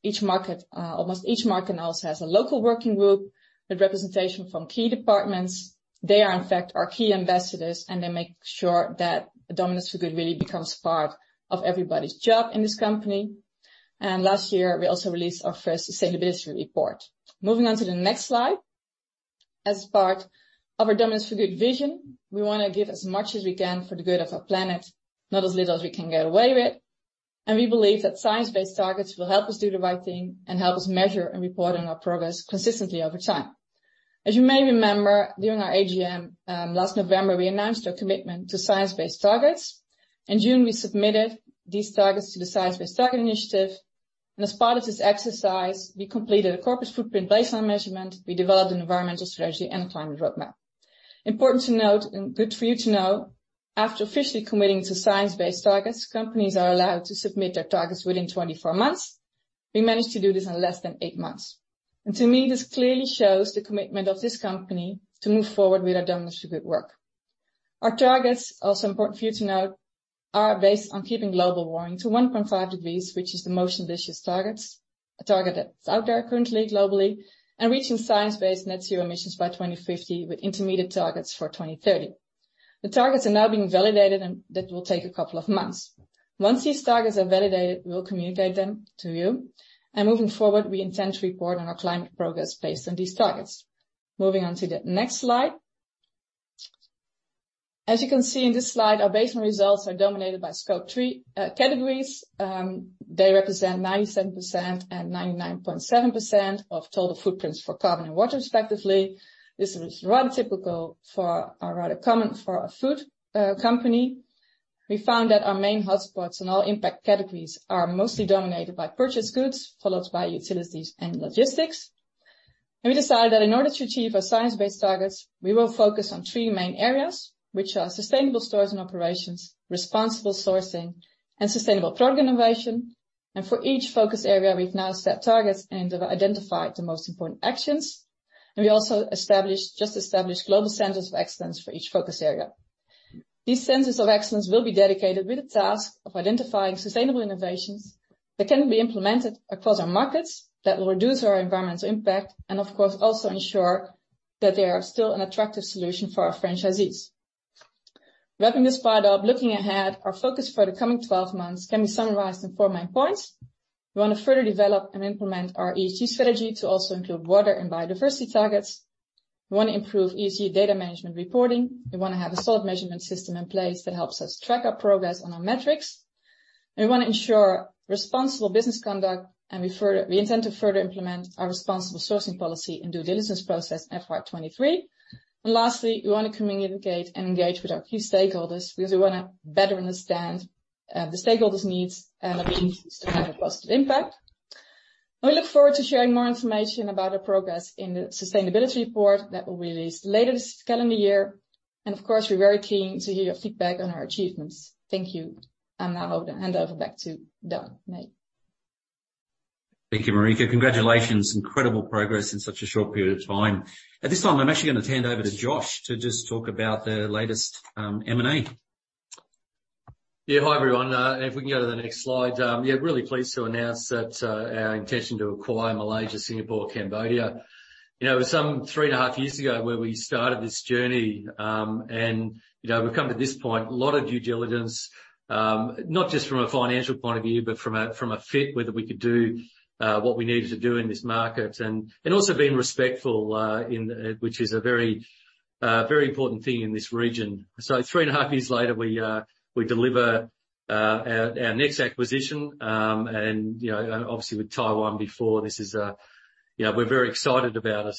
almost each market now has a local working group with representation from key departments. They are, in fact, our key ambassadors, and they make sure that Domino's for Good really becomes part of everybody's job in this company. And last year, we also released our first sustainability report. Moving on to the next slide. As part of our Domino's for Good vision, we want to give as much as we can for the good of our planet, not as little as we can get away with. And we believe that science-based targets will help us do the right thing and help us measure and report on our progress consistently over time. As you may remember, during our AGM last November, we announced our commitment to science-based targets. In June, we submitted these targets to the Science Based Targets initiative. And as part of this exercise, we completed a corporate footprint baseline measurement. We developed an environmental strategy and a climate roadmap. Important to note, and good for you to know, after officially committing to science-based targets, companies are allowed to submit their targets within 24 months. We managed to do this in less than eight months. And to me, this clearly shows the commitment of this company to move forward with our Domino's for Good work. Our targets, also important for you to note, are based on keeping global warming to 1.5 degrees, which is the most ambitious target, a target that's out there currently globally, and reaching science-based net zero emissions by 2050 with intermediate targets for 2030. The targets are now being validated, and that will take a couple of months. Once these targets are validated, we will communicate them to you. Moving forward, we intend to report on our climate progress based on these targets. Moving on to the next slide. As you can see in this slide, our baseline results are dominated by Scope 3 categories. They represent 97% and 99.7% of total footprints for carbon and water, respectively. This is rather typical, rather common for a food company. We found that our main hotspots in all impact categories are mostly dominated by purchase goods, followed by utilities and logistics. We decided that in order to achieve our science-based targets, we will focus on three main areas, which are sustainable stores and operations, responsible sourcing, and sustainable product innovation. For each focus area, we've now set targets and identified the most important actions. And we also just established global centers of excellence for each focus area. These centers of excellence will be dedicated with the task of identifying sustainable innovations that can be implemented across our markets that will reduce our environmental impact and, of course, also ensure that they are still an attractive solution for our franchisees. Wrapping this part up, looking ahead, our focus for the coming 12 months can be summarized in four main points. We want to further develop and implement our ESG strategy to also include water and biodiversity targets. We want to improve ESG data management reporting. We want to have a solid measurement system in place that helps us track our progress on our metrics. We want to ensure responsible business conduct, and we intend to further implement our responsible sourcing policy and due diligence process FY 2023. And lastly, we want to communicate and engage with our key stakeholders because we want to better understand the stakeholders' needs and our business to have a positive impact. We look forward to sharing more information about our progress in the sustainability report that will be released later this calendar year. And of course, we're very keen to hear your feedback on our achievements. Thank you. I'll now hand over back to Don Meij. Thank you, Marika. Congratulations. Incredible progress in such a short period of time. At this time, I'm actually going to hand over to Josh to just talk about the latest M&A. Yeah, hi everyone. And if we can go to the next slide, yeah, really pleased to announce that our intention to acquire Malaysia, Singapore, Cambodia. It was some three and a half years ago where we started this journey. We've come to this point: a lot of due diligence, not just from a financial point of view, but from a fit whether we could do what we needed to do in this market. Also being respectful, which is a very important thing in this region. Three and a half years later, we deliver our next acquisition. Obviously, with Taiwan before, this is one we're very excited about.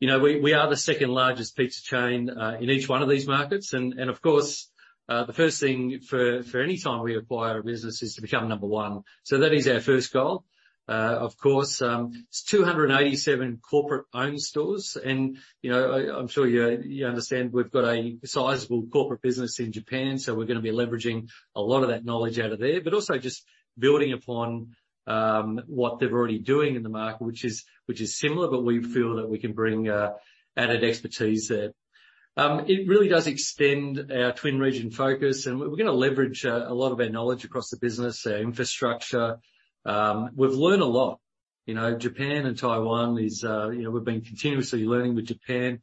We are the second largest pizza chain in each one of these markets. Of course, the first thing for any time we acquire a business is to become number one. That is our first goal. Of course, it's 287 corporate-owned stores. I'm sure you understand we've got a sizable corporate business in Japan.So we're going to be leveraging a lot of that knowledge out of there, but also just building upon what they're already doing in the market, which is similar, but we feel that we can bring added expertise there. It really does extend our twin region focus. And we're going to leverage a lot of our knowledge across the business, our infrastructure. We've learned a lot. Japan and Taiwan, we've been continuously learning with Japan.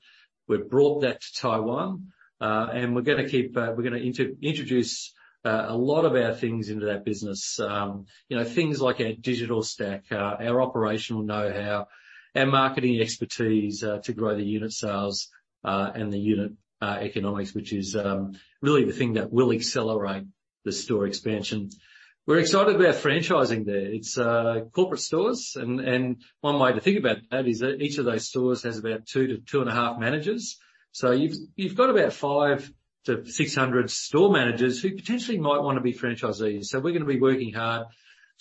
We've brought that to Taiwan. And we're going to introduce a lot of our things into that business, things like our digital stack, our operational know-how, our marketing expertise to grow the unit sales and the unit economics, which is really the thing that will accelerate the store expansion. We're excited about franchising there. It's corporate stores. One way to think about that is that each of those stores has about two to two and a half managers. You've got about 500 store managers-600 store managers who potentially might want to be franchisees. We're going to be working hard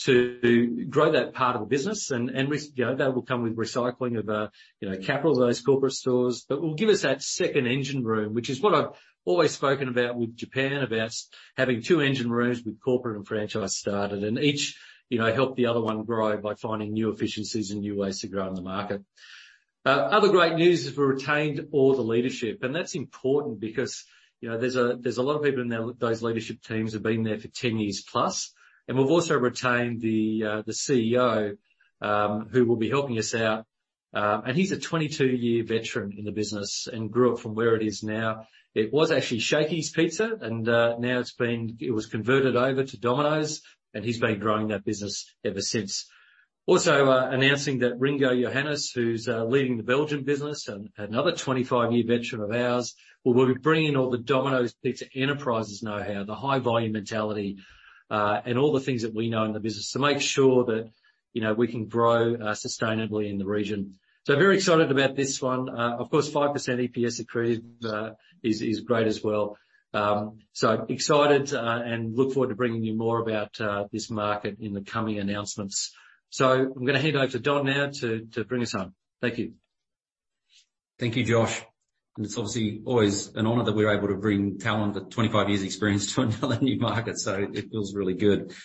to grow that part of the business. That will come with recycling of capital of those corporate stores. It will give us that second engine room, which is what I've always spoken about with Japan, about having two engine rooms with corporate and franchise started, and each help the other one grow by finding new efficiencies and new ways to grow in the market. Other great news is we retained all the leadership. That's important because there's a lot of people in those leadership teams who have been there for 10+ years. We've also retained the CEO who will be helping us out. He's a 22-year veteran in the business and grew up from where it is now. It was actually Shakey's Pizza, and now it was converted over to Domino's. He's been growing that business ever since. We're also announcing that Ringo Joannes, who's leading the Belgian business, another 25-year veteran of ours, will be bringing all the Domino's Pizza Enterprises know-how, the high-volume mentality, and all the things that we know in the business to make sure that we can grow sustainably in the region. Very excited about this one. Of course, 5% EPS accretive is great as well. Excited and look forward to bringing you more about this market in the coming announcements. I'm going to hand over to Don now to bring us home. Thank you. Thank you, Josh.It's obviously always an honor that we're able to bring talent with 25 years of experience to another new market. It feels really good. If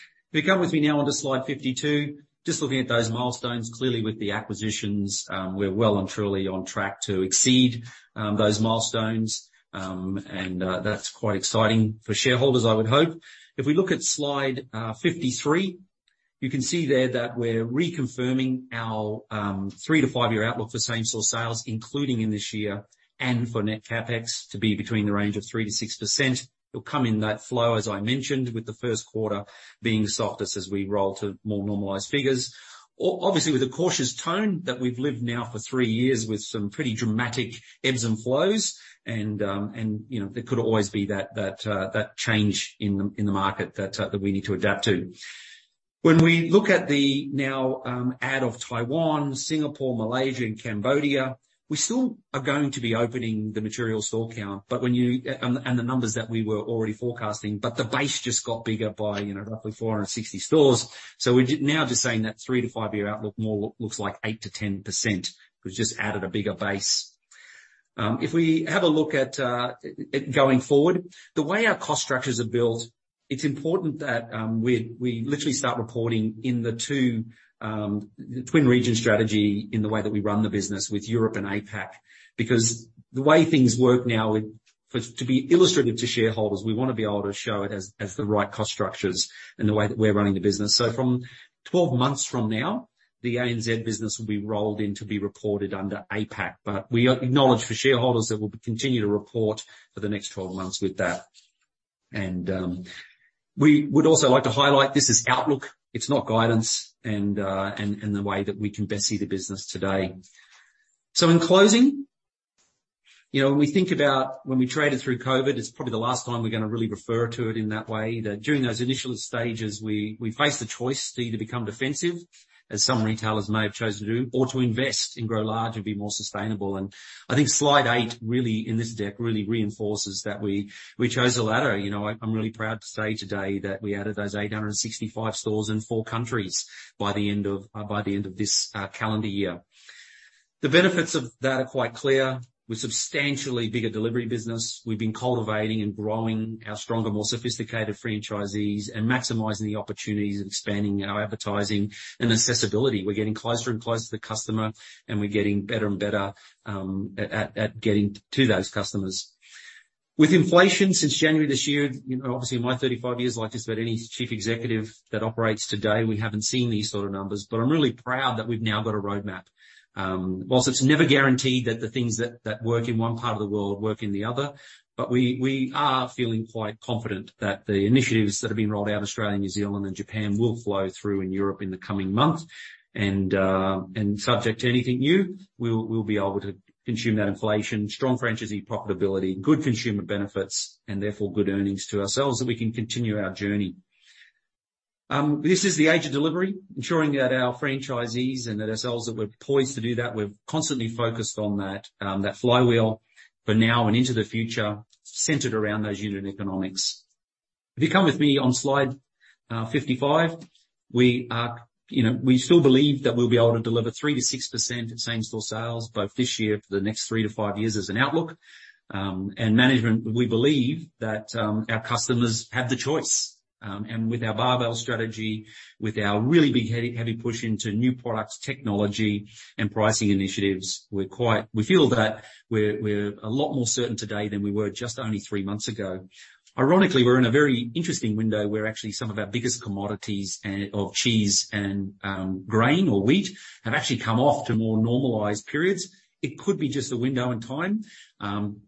you come with me now onto Slide 52, just looking at those milestones, clearly with the acquisitions, we're well and truly on track to exceed those milestones. That's quite exciting for shareholders, I would hope. If we look at Slide 53, you can see there that we're reconfirming our three to five-year outlook for same-store sales, including in this year, and for net CapEx to be between the range of 3%-6%. It'll come in that flow, as I mentioned, with the first quarter being softest as we roll to more normalized figures. Obviously, with a cautious tone that we've lived now for three years with some pretty dramatic ebbs and flows. There could always be that change in the market that we need to adapt to. When we look at the addition of Taiwan, Singapore, Malaysia, and Cambodia, we still are going to be opening material store count, but when you add the numbers that we were already forecasting, but the base just got bigger by roughly 460 stores. We're now just saying that three- to five-year outlook more looks like 8%-10%. We've just added a bigger base. If we have a look at going forward, the way our cost structures are built, it's important that we literally start reporting in the twin region strategy in the way that we run the business with Europe and APAC because the way things work now, to be illustrative to shareholders, we want to be able to show it as the right cost structures and the way that we're running the business. So from 12 months from now, the ANZ business will be rolled into be reported under APAC. But we acknowledge for shareholders that we'll continue to report for the next 12 months with that. And we would also like to highlight this is outlook. It's not guidance and the way that we can best see the business today. In closing, when we think about when we traded through COVID, it's probably the last time we're going to really refer to it in that way. During those initial stages, we faced the choice to either become defensive, as some retailers may have chosen to do, or to invest and grow large and be more sustainable. I think Slide 8 really in this deck really reinforces that we chose the latter. I'm really proud to say today that we added those 865 stores in four countries by the end of this calendar year. The benefits of that are quite clear. We're substantially bigger delivery business. We've been cultivating and growing our stronger, more sophisticated franchisees and maximizing the opportunities and expanding our advertising and accessibility. We're getting closer and closer to the customer, and we're getting better and better at getting to those customers. With inflation since January this year, obviously, in my 35 years, like just about any chief executive that operates today, we haven't seen these sort of numbers. But I'm really proud that we've now got a roadmap. Whilst it's never guaranteed that the things that work in one part of the world work in the other, but we are feeling quite confident that the initiatives that have been rolled out in Australia, New Zealand, and Japan will flow through in Europe in the coming months, subject to anything new, we'll be able to consume that inflation, strong franchisee profitability, good consumer benefits, and therefore good earnings to ourselves that we can continue our journey. This is the age of delivery, ensuring that our franchisees and that ourselves that we're poised to do that. We're constantly focused on that flywheel for now and into the future, centered around those unit economics. If you come with me on Slide 55, we still believe that we'll be able to deliver 3%-6% in same-store sales, both this year for the next three to five years as an outlook, and management, we believe that our customers have the choice. With our barbell strategy, with our really big heavy push into new products, technology, and pricing initiatives, we feel that we're a lot more certain today than we were just only three months ago. Ironically, we're in a very interesting window where actually some of our biggest commodities of cheese and grain or wheat have actually come off to more normalized periods. It could be just a window in time,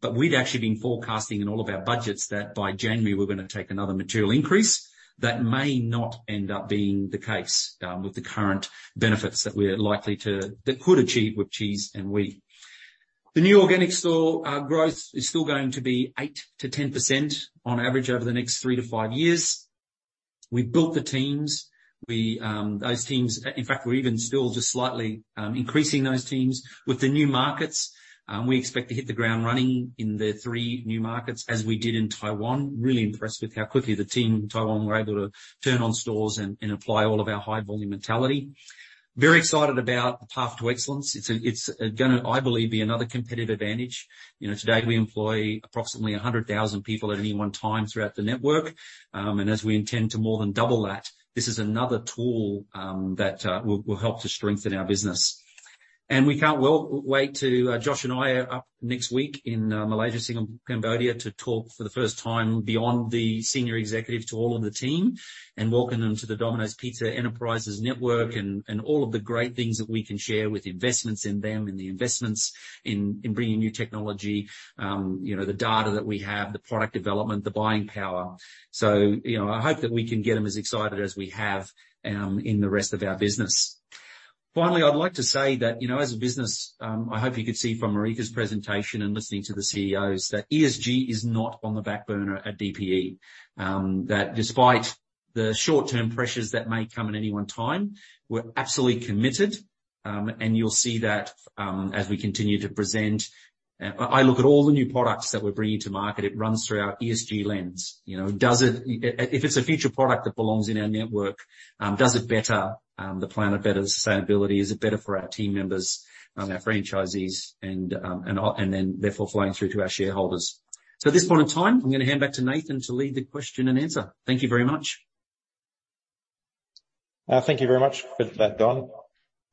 but we'd actually been forecasting in all of our budgets that by January, we're going to take another material increase. That may not end up being the case with the current benefits that we're likely to achieve with cheese and wheat. The new organic store growth is still going to be 8%-10% on average over the next three to five years. We built the teams. Those teams, in fact, we're even still just slightly increasing those teams. With the new markets, we expect to hit the ground running in the three new markets as we did in Taiwan. Really impressed with how quickly the team in Taiwan were able to turn on stores and apply all of our high-volume mentality. Very excited about the Path to Excellence. It's going to, I believe, be another competitive advantage. Today, we employ approximately 100,000 people at any one time throughout the network. And as we intend to more than double that, this is another tool that will help to strengthen our business. And we can't wait. Josh and I are up next week in Malaysia, Singapore, Cambodia to talk for the first time beyond the senior executive to all of the team and welcome them to the Domino's Pizza Enterprises Network and all of the great things that we can share with investments in them and the investments in bringing new technology, the data that we have, the product development, the buying power. So I hope that we can get them as excited as we have in the rest of our business. Finally, I'd like to say that as a business, I hope you could see from Marika's presentation and listening to the CEOs that ESG is not on the back burner at DPE. That despite the short-term pressures that may come at any one time, we're absolutely committed, and you'll see that as we continue to present. I look at all the new products that we're bringing to market. It runs through our ESG lens. If it's a future product that belongs in our network, does it better the planet better sustainability? Is it better for our team members, our franchisees, and then therefore flowing through to our shareholders, so at this point in time, I'm going to hand back to Nathan to lead the question and answer. Thank you very much. Thank you very much for that, Don.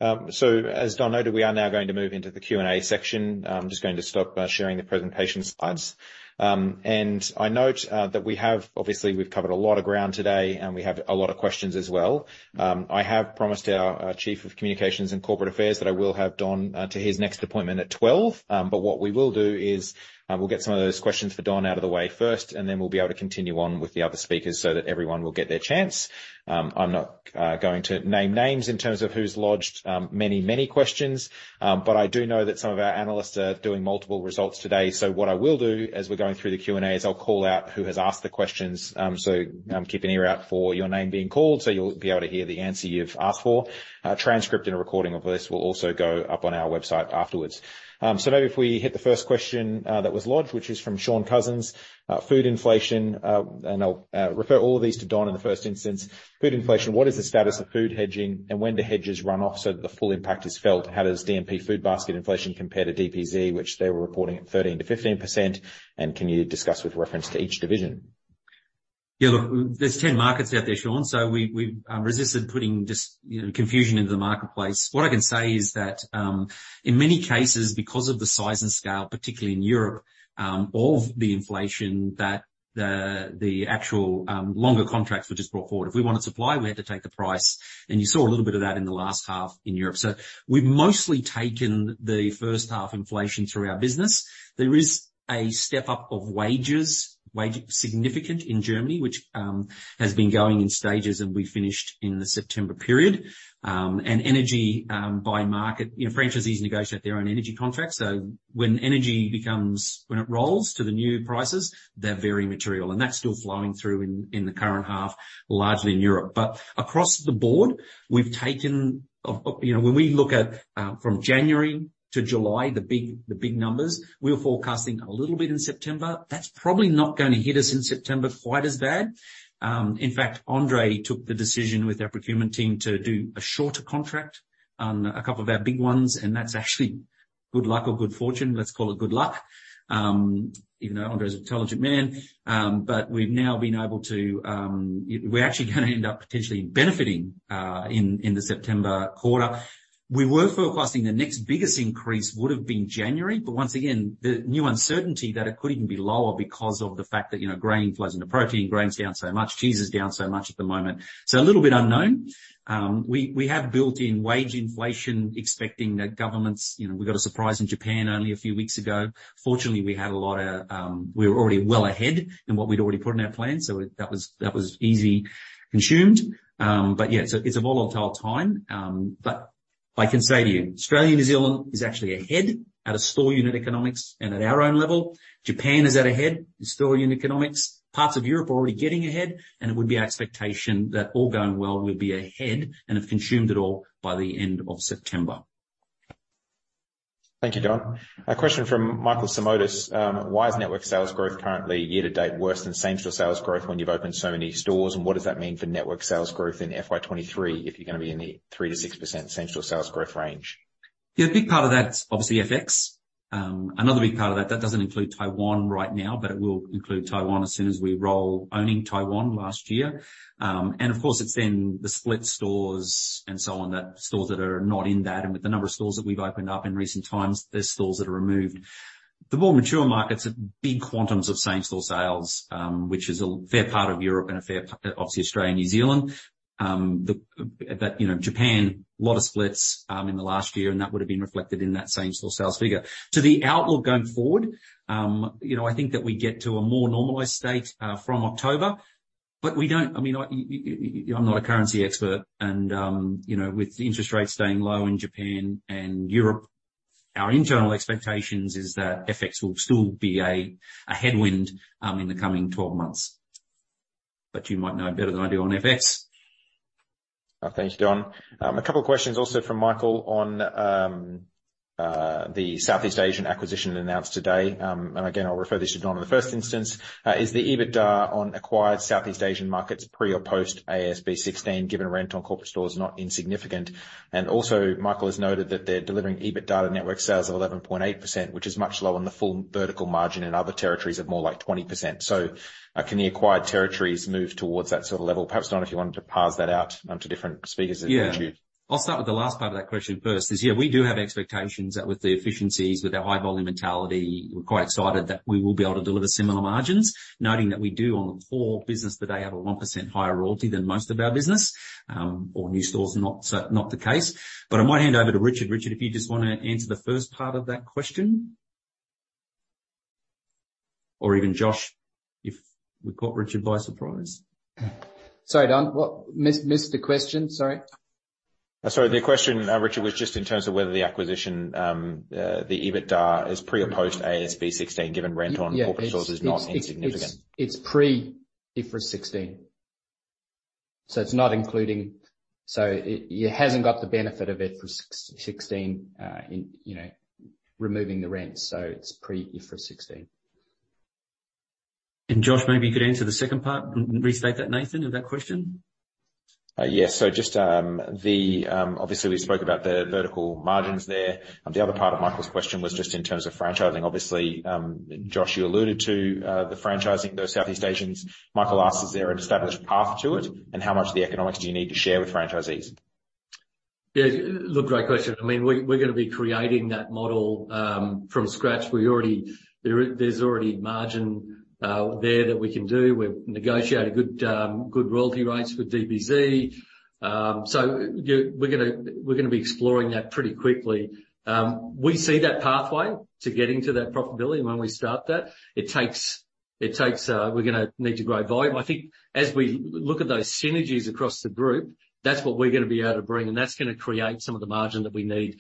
As Don noted, we are now going to move into the Q&A section. I'm just going to stop sharing the presentation slides. I note that we have obviously, we've covered a lot of ground today, and we have a lot of questions as well. I have promised our Chief of Communications and Corporate Affairs that I will have Don to his next appointment at 12:00 P.M. What we will do is we'll get some of those questions for Don out of the way first, and then we'll be able to continue on with the other speakers so that everyone will get their chance. I'm not going to name names in terms of who's lodged many, many questions. I do know that some of our analysts are doing multiple results today. So what I will do as we're going through the Q&A is I'll call out who has asked the questions. So keep an ear out for your name being called. So you'll be able to hear the answer you've asked for. A transcript and a recording of this will also go up on our website afterwards. So maybe if we hit the first question that was lodged, which is from Shaun Cousins, food inflation. And I'll refer all of these to Don in the first instance. Food inflation, what is the status of food hedging and when do hedges run off so that the full impact is felt? How does DMP food basket inflation compare to DPZ, which they were reporting at 13%-15%? And can you discuss with reference to each division? Yeah, look, there's 10 markets out there, Shaun.So we resisted putting just confusion into the marketplace. What I can say is that in many cases, because of the size and scale, particularly in Europe, of the inflation, that the actual longer contracts were just brought forward. If we wanted to supply, we had to take the price, and you saw a little bit of that in the last half in Europe. So we've mostly taken the first half inflation through our business. There is a step up of wages, wage significant in Germany, which has been going in stages, and we finished in the September period, and energy by market, franchisees negotiate their own energy contracts. So when energy becomes, when it rolls to the new prices, they're very material, and that's still flowing through in the current half, largely in Europe. Across the board, we've taken when we look at from January to July, the big numbers, we were forecasting a little bit in September. That's probably not going to hit us in September quite as bad. In fact, André took the decision with our procurement team to do a shorter contract on a couple of our big ones. And that's actually good luck or good fortune. Let's call it good luck. Even though André's an intelligent man. We've now been able to; we're actually going to end up potentially benefiting in the September quarter. We were forecasting the next biggest increase would have been January. Once again, the new uncertainty that it could even be lower because of the fact that grain flows into protein, grain's down so much, cheese is down so much at the moment. So a little bit unknown. We have built in wage inflation expecting that governments; we got a surprise in Japan only a few weeks ago. Fortunately, we were already well ahead in what we'd already put in our plan. So that was easily consumed. But yeah, it's a volatile time, but I can say to you, Australia and New Zealand is actually ahead on store unit economics and at our own level. Japan is ahead in store unit economics. Parts of Europe are already getting ahead, and it would be our expectation that all going well will be ahead and have consumed it all by the end of September. Thank you, Don. A question from Michael Simotas. Why is network sales growth currently year-to-date worse than same-store sales growth when you've opened so many stores? What does that mean for network sales growth in FY 2023 if you're going to be in the 3%-6% same-store sales growth range? Yeah, a big part of that's obviously FX. Another big part of that, that doesn't include Taiwan right now, but it will include Taiwan as soon as we roll owning Taiwan last year. And of course, it's then the split stores and so on, that stores that are not in that. And with the number of stores that we've opened up in recent times, there's stores that are removed. The more mature markets, big quantums of same-store sales, which is a fair part of Europe and obviously Australia and New Zealand. But Japan, a lot of splits in the last year, and that would have been reflected in that same-store sales figure. To the outlook going forward, I think that we get to a more normalized state from October. But we don't, I mean, I'm not a currency expert. And with the interest rates staying low in Japan and Europe, our internal expectations is that FX will still be a headwind in the coming 12 months. But you might know better than I do on FX. Thanks, Don. A couple of questions also from Michael on the Southeast Asian acquisition announced today. And again, I'll refer this to Don in the first instance. Is the EBITDA on acquired Southeast Asian markets pre or post AASB 16 given rent on corporate stores not insignificant? And also, Michael has noted that they're delivering EBITDA to network sales of 11.8%, which is much lower than the full vertical margin in other territories of more like 20%.Can the acquired territories move towards that sort of level? Perhaps, Don, if you wanted to parse that out to different speakers as you choose. Yeah, I'll start with the last part of that question first. Yeah, we do have expectations that with the efficiencies, with our high-volume mentality, we're quite excited that we will be able to deliver similar margins, noting that we do on the core business today have a 1% higher royalty than most of our business, or new stores not the case. But I might hand over to Richard. Richard, if you just want to answer the first part of that question. Or even Josh, if we caught Richard by surprise. Sorry, Don. Missed the question. Sorry. Sorry, the question, Richard, was just in terms of whether the acquisition, the EBITDA is pre or post AASB 16 given rent on corporate stores is not insignificant. It's pre IFRS 16. So it's not including. So it hasn't got the benefit of IFRS 16 removing the rent. So it's pre IFRS 16. And Josh, maybe you could answer the second part. Restate that, Nathan, of that question. Yes. So just obviously, we spoke about the vertical margins there. The other part of Michael's question was just in terms of franchising. Obviously, Josh, you alluded to the franchising, those Southeast Asians. Michael asks, is there an established path to it? And how much of the economics do you need to share with franchisees? Yeah, look, great question. I mean, we're going to be creating that model from scratch. There's already margin there that we can do. We've negotiated good royalty rates with DPZ. So we're going to be exploring that pretty quickly. We see that pathway to getting to that profitability when we start that. It takes, we're going to need to grow volume. I think as we look at those synergies across the group, that's what we're going to be able to bring. And that's going to create some of the margin that we need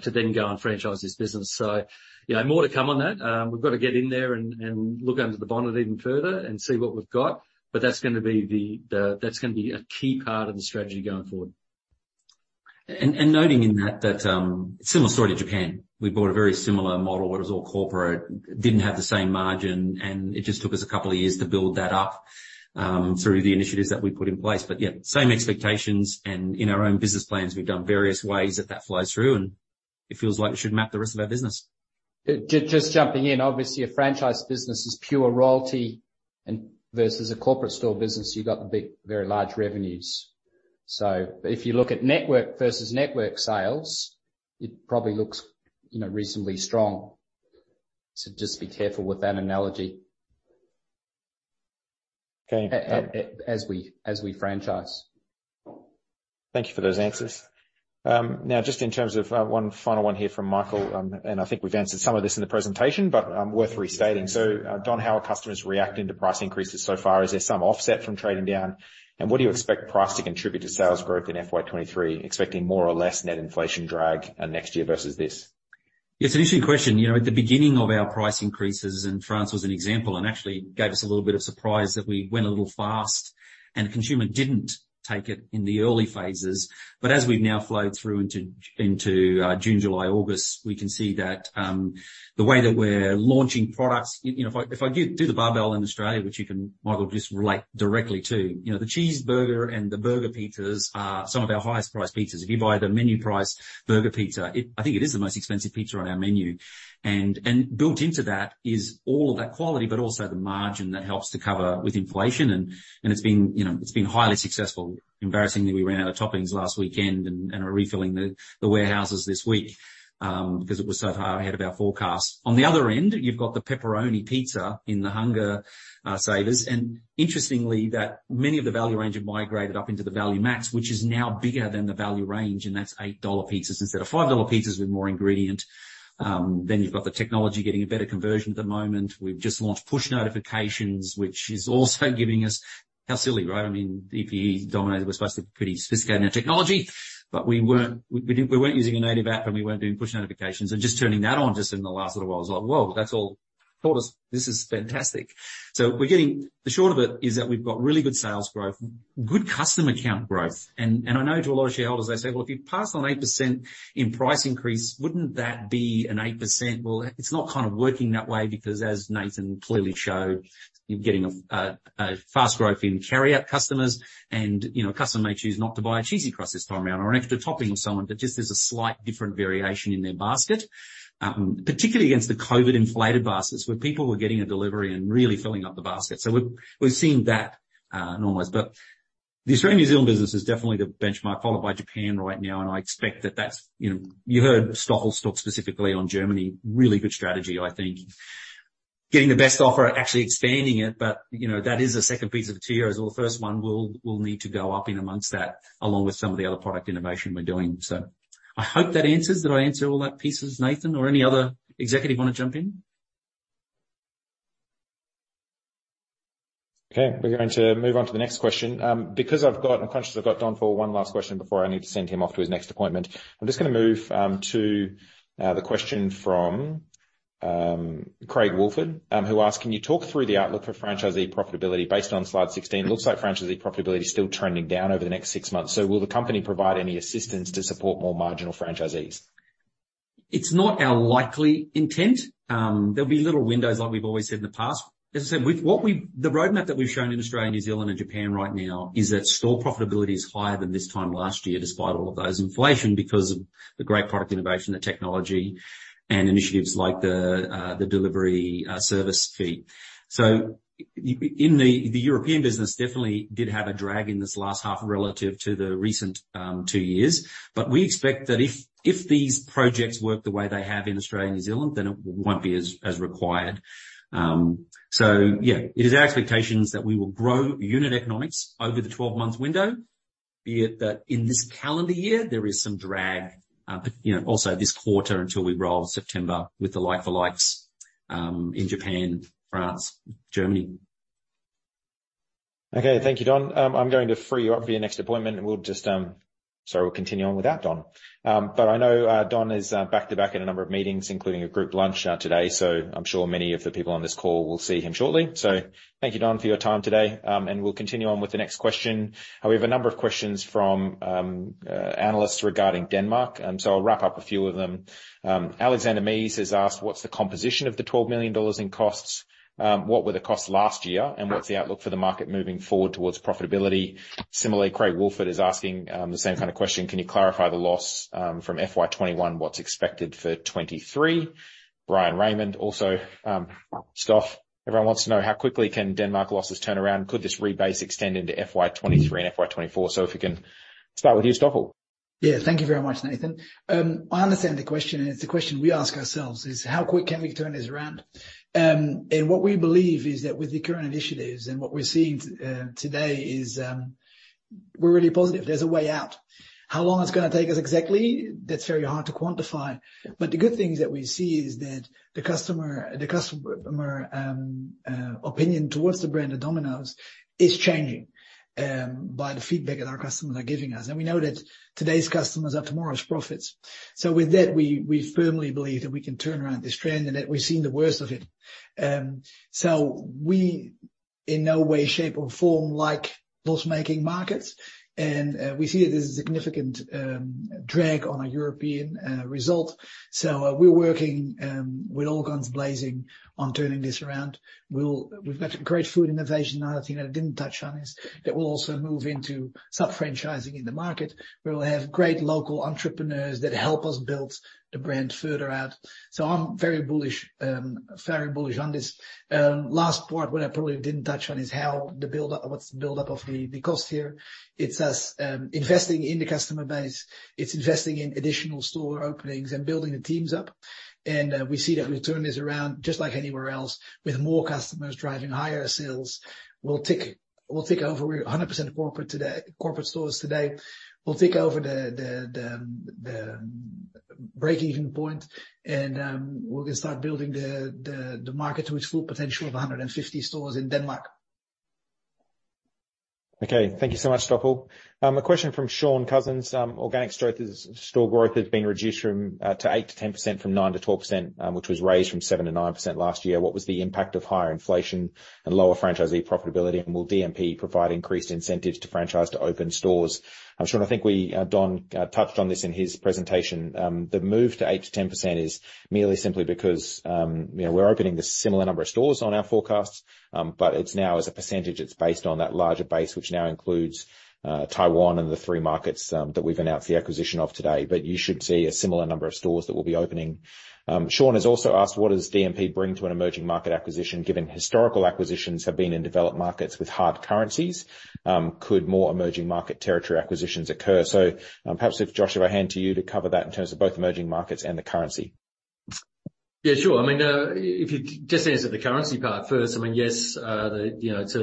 to then go and franchise this business. So more to come on that. We've got to get in there and look under the bonnet even further and see what we've got. But that's going to be a key part of the strategy going forward. And noting in that, similar story to Japan. We bought a very similar model. It was all corporate. Didn't have the same margin. And it just took us a couple of years to build that up through the initiatives that we put in place. But yeah, same expectations.In our own business plans, we've done various ways that that flows through. It feels like it should map the rest of our business. Just jumping in, obviously, a franchise business is pure royalty versus a corporate store business. You've got very large revenues. If you look at network versus network sales, it probably looks reasonably strong. Just be careful with that analogy as we franchise. Thank you for those answers. Now, just in terms of one final one here from Michael, and I think we've answered some of this in the presentation, but worth restating. Don, how are customers reacting to price increases so far? Is there some offset from trading down? And what do you expect price to contribute to sales growth in FY 2023, expecting more or less net inflation drag next year versus this? It's an interesting question.At the beginning of our price increases, and France was an example and actually gave us a little bit of surprise that we went a little fast, and the consumer didn't take it in the early phases, but as we've now flowed through into June, July, August, we can see that the way that we're launching products, if I do the barbell in Australia, which you can, Michael, just relate directly to, the Cheeseburger and the burger pizzas are some of our highest priced pizzas. If you buy the menu price burger pizza, I think it is the most expensive pizza on our menu, and built into that is all of that quality, but also the margin that helps to cover with inflation, and it's been highly successful. Embarrassingly, we ran out of toppings last weekend and are refilling the warehouses this week because it was so far ahead of our forecast. On the other end, you've got the pepperoni pizza in the Hunger Savers. And interestingly, many of the value range have migrated up into the Value Max, which is now bigger than the value range. And that's 8 dollar pizzas instead of 5 dollar pizzas with more ingredients. Then you've got the technology getting a better conversion at the moment. We've just launched push notifications, which is also giving us, how silly, right? I mean, DPE dominated. We're supposed to be pretty sophisticated in our technology. But we weren't using a native app, and we weren't doing push notifications. And just turning that on just in the last little while was like, "Whoa, that's all it took. This is fantastic." So the short of it is that we've got really good sales growth, good customer account growth. And I know to a lot of shareholders, they say, "Well, if you pass on 8% in price increase, wouldn't that be an 8%?" Well, it's not kind of working that way because, as Nathan clearly showed, you're getting a fast growth in carry-out customers. And a customer may choose not to buy a cheesy crust this time around or an extra topping or something, but just there's a slight different variation in their basket, particularly against the COVID-inflated baskets where people were getting a delivery and really filling up the basket. So we've seen that normalize. But the Australian-New Zealand business is definitely the benchmark followed by Japan right now. And I expect that that's what you heard Stoffel talk specifically on Germany, really good strategy, I think. Getting the best offer, actually expanding it. But that is a second piece of the tier as well. The first one will need to go up in amongst that along with some of the other product innovation we're doing. So I hope that answers that I answer all that pieces, Nathan, or any other executive want to jump in? Okay, we're going to move on to the next question. Because I've got a conscience. I've got Don for one last question before I need to send him off to his next appointment. I'm just going to move to the question from Craig Woolford, who asked, "Can you talk through the outlook for franchisee profitability based on Slide 16? It looks like franchisee profitability is still trending down over the next six months. So will the company provide any assistance to support more marginal franchisees?" It's not our likely intent. There'll be little windows, like we've always said in the past. As I said, the roadmap that we've shown in Australia, New Zealand, and Japan right now is that store profitability is higher than this time last year, despite all of those inflation because of the great product innovation, the technology, and initiatives like the delivery service fee. So in the European business, definitely did have a drag in this last half relative to the recent two years. But we expect that if these projects work the way they have in Australia and New Zealand, then it won't be as required. So yeah, it is our expectations that we will grow unit economics over the 12-month window, be it that in this calendar year, there is some drag, but also this quarter until we roll September with the like for likes in Japan, France, Germany. Okay, thank you, Don.I'm going to free you up for your next appointment, and we'll just, sorry, we'll continue on without Don, but I know Don is back to back in a number of meetings, including a group lunch today, so I'm sure many of the people on this call will see him shortly, so thank you, Don, for your time today, and we'll continue on with the next question. We have a number of questions from analysts regarding Denmark, so I'll wrap up a few of them. Alexander Mees has asked, "What's the composition of the 12 million dollars in costs? What were the costs last year? And what's the outlook for the market moving forward towards profitability?" Similarly, Craig Woolford is asking the same kind of question. "Can you clarify the loss from FY 2021? What's expected for 2023?" Bryan Raymond, also Stoffel.Everyone wants to know how quickly can Denmark losses turn around? Could this rebase extend into FY 2023 and FY 2024? So if we can start with you, Stoffel. Yeah, thank you very much, Nathan. I understand the question. And it's a question we ask ourselves: is how quick can we turn this around? And what we believe is that with the current initiatives and what we're seeing today, is we're really positive. There's a way out. How long it's going to take us exactly, that's very hard to quantify. But the good thing that we see is that the customer opinion towards the brand, the Domino's, is changing by the feedback that our customers are giving us. And we know that today's customers are tomorrow's profits. So with that, we firmly believe that we can turn around this trend and that we've seen the worst of it. So we in no way, shape, or form like loss-making markets. We see that there's a significant drag on a European result. We're working with all guns blazing on turning this around. We've got great food innovation. Another thing that I didn't touch on is that we'll also move into sub-franchising in the market. We will have great local entrepreneurs that help us build the brand further out. So I'm very bullish, very bullish on this. Last part, what I probably didn't touch on is how the build-up, what's the build-up of the cost here? It's us investing in the customer base. It's investing in additional store openings and building the teams up. We see that we'll turn this around just like anywhere else with more customers driving higher sales. We'll take over 100% corporate stores today. We'll take over the break-even point. And we're going to start building the market to its full potential of 150 stores in Denmark. Okay, thank you so much, Stoffel. A question from Shaun Cousins. Organic store growth has been reduced to 8%-10% from 9%-12%, which was raised from 7%-9% last year. What was the impact of higher inflation and lower franchisee profitability? And will DMP provide increased incentives to franchise to open stores? Shaun, I think we, Don, touched on this in his presentation. The move to 8%-10% is merely simply because we're opening the similar number of stores on our forecasts. But it's now, as a percentage, it's based on that larger base, which now includes Taiwan and the three markets that we've announced the acquisition of today. But you should see a similar number of stores that will be opening. Shaun has also asked, "What does DMP bring to an emerging market acquisition given historical acquisitions have been in developed markets with hard currencies? Could more emerging market territory acquisitions occur?" So perhaps, Josh, I'll hand to you to cover that in terms of both emerging markets and the currency. Yeah, sure. I mean, if you just answer the currency part first, I mean, yes, it's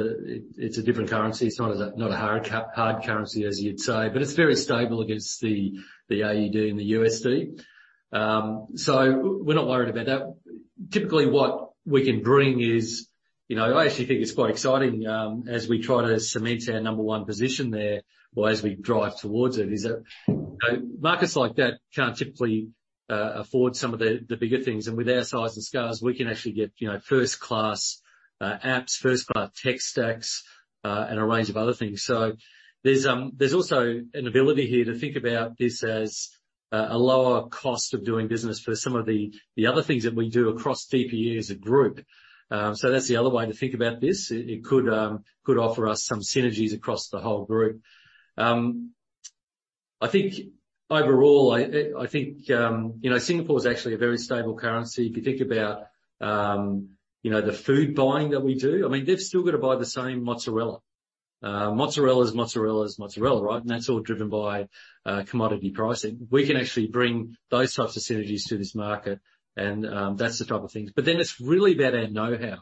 a different currency. It's not a hard currency, as you'd say. But it's very stable against the AUD and the USD. So we're not worried about that. Typically, what we can bring is I actually think it's quite exciting as we try to cement our number one position there or as we drive towards it, is that markets like that can't typically afford some of the bigger things. And with our size and scales, we can actually get first-class apps, first-class tech stacks, and a range of other things. So there's also an ability here to think about this as a lower cost of doing business for some of the other things that we do across DPE as a group. So that's the other way to think about this. It could offer us some synergies across the whole group. I think overall, I think Singapore is actually a very stable currency. If you think about the food buying that we do, I mean, they've still got to buy the same mozzarella. Mozzarella is mozzarella is mozzarella, right? And that's all driven by commodity pricing. We can actually bring those types of synergies to this market. And that's the type of things. But then it's really about our know-how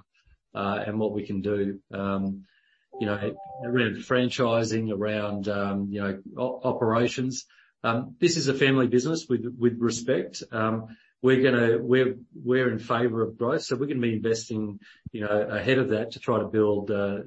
and what we can do around franchising, around operations. This is a family business with respect. We're in favor of growth. So we're going to be investing ahead of that to try to build a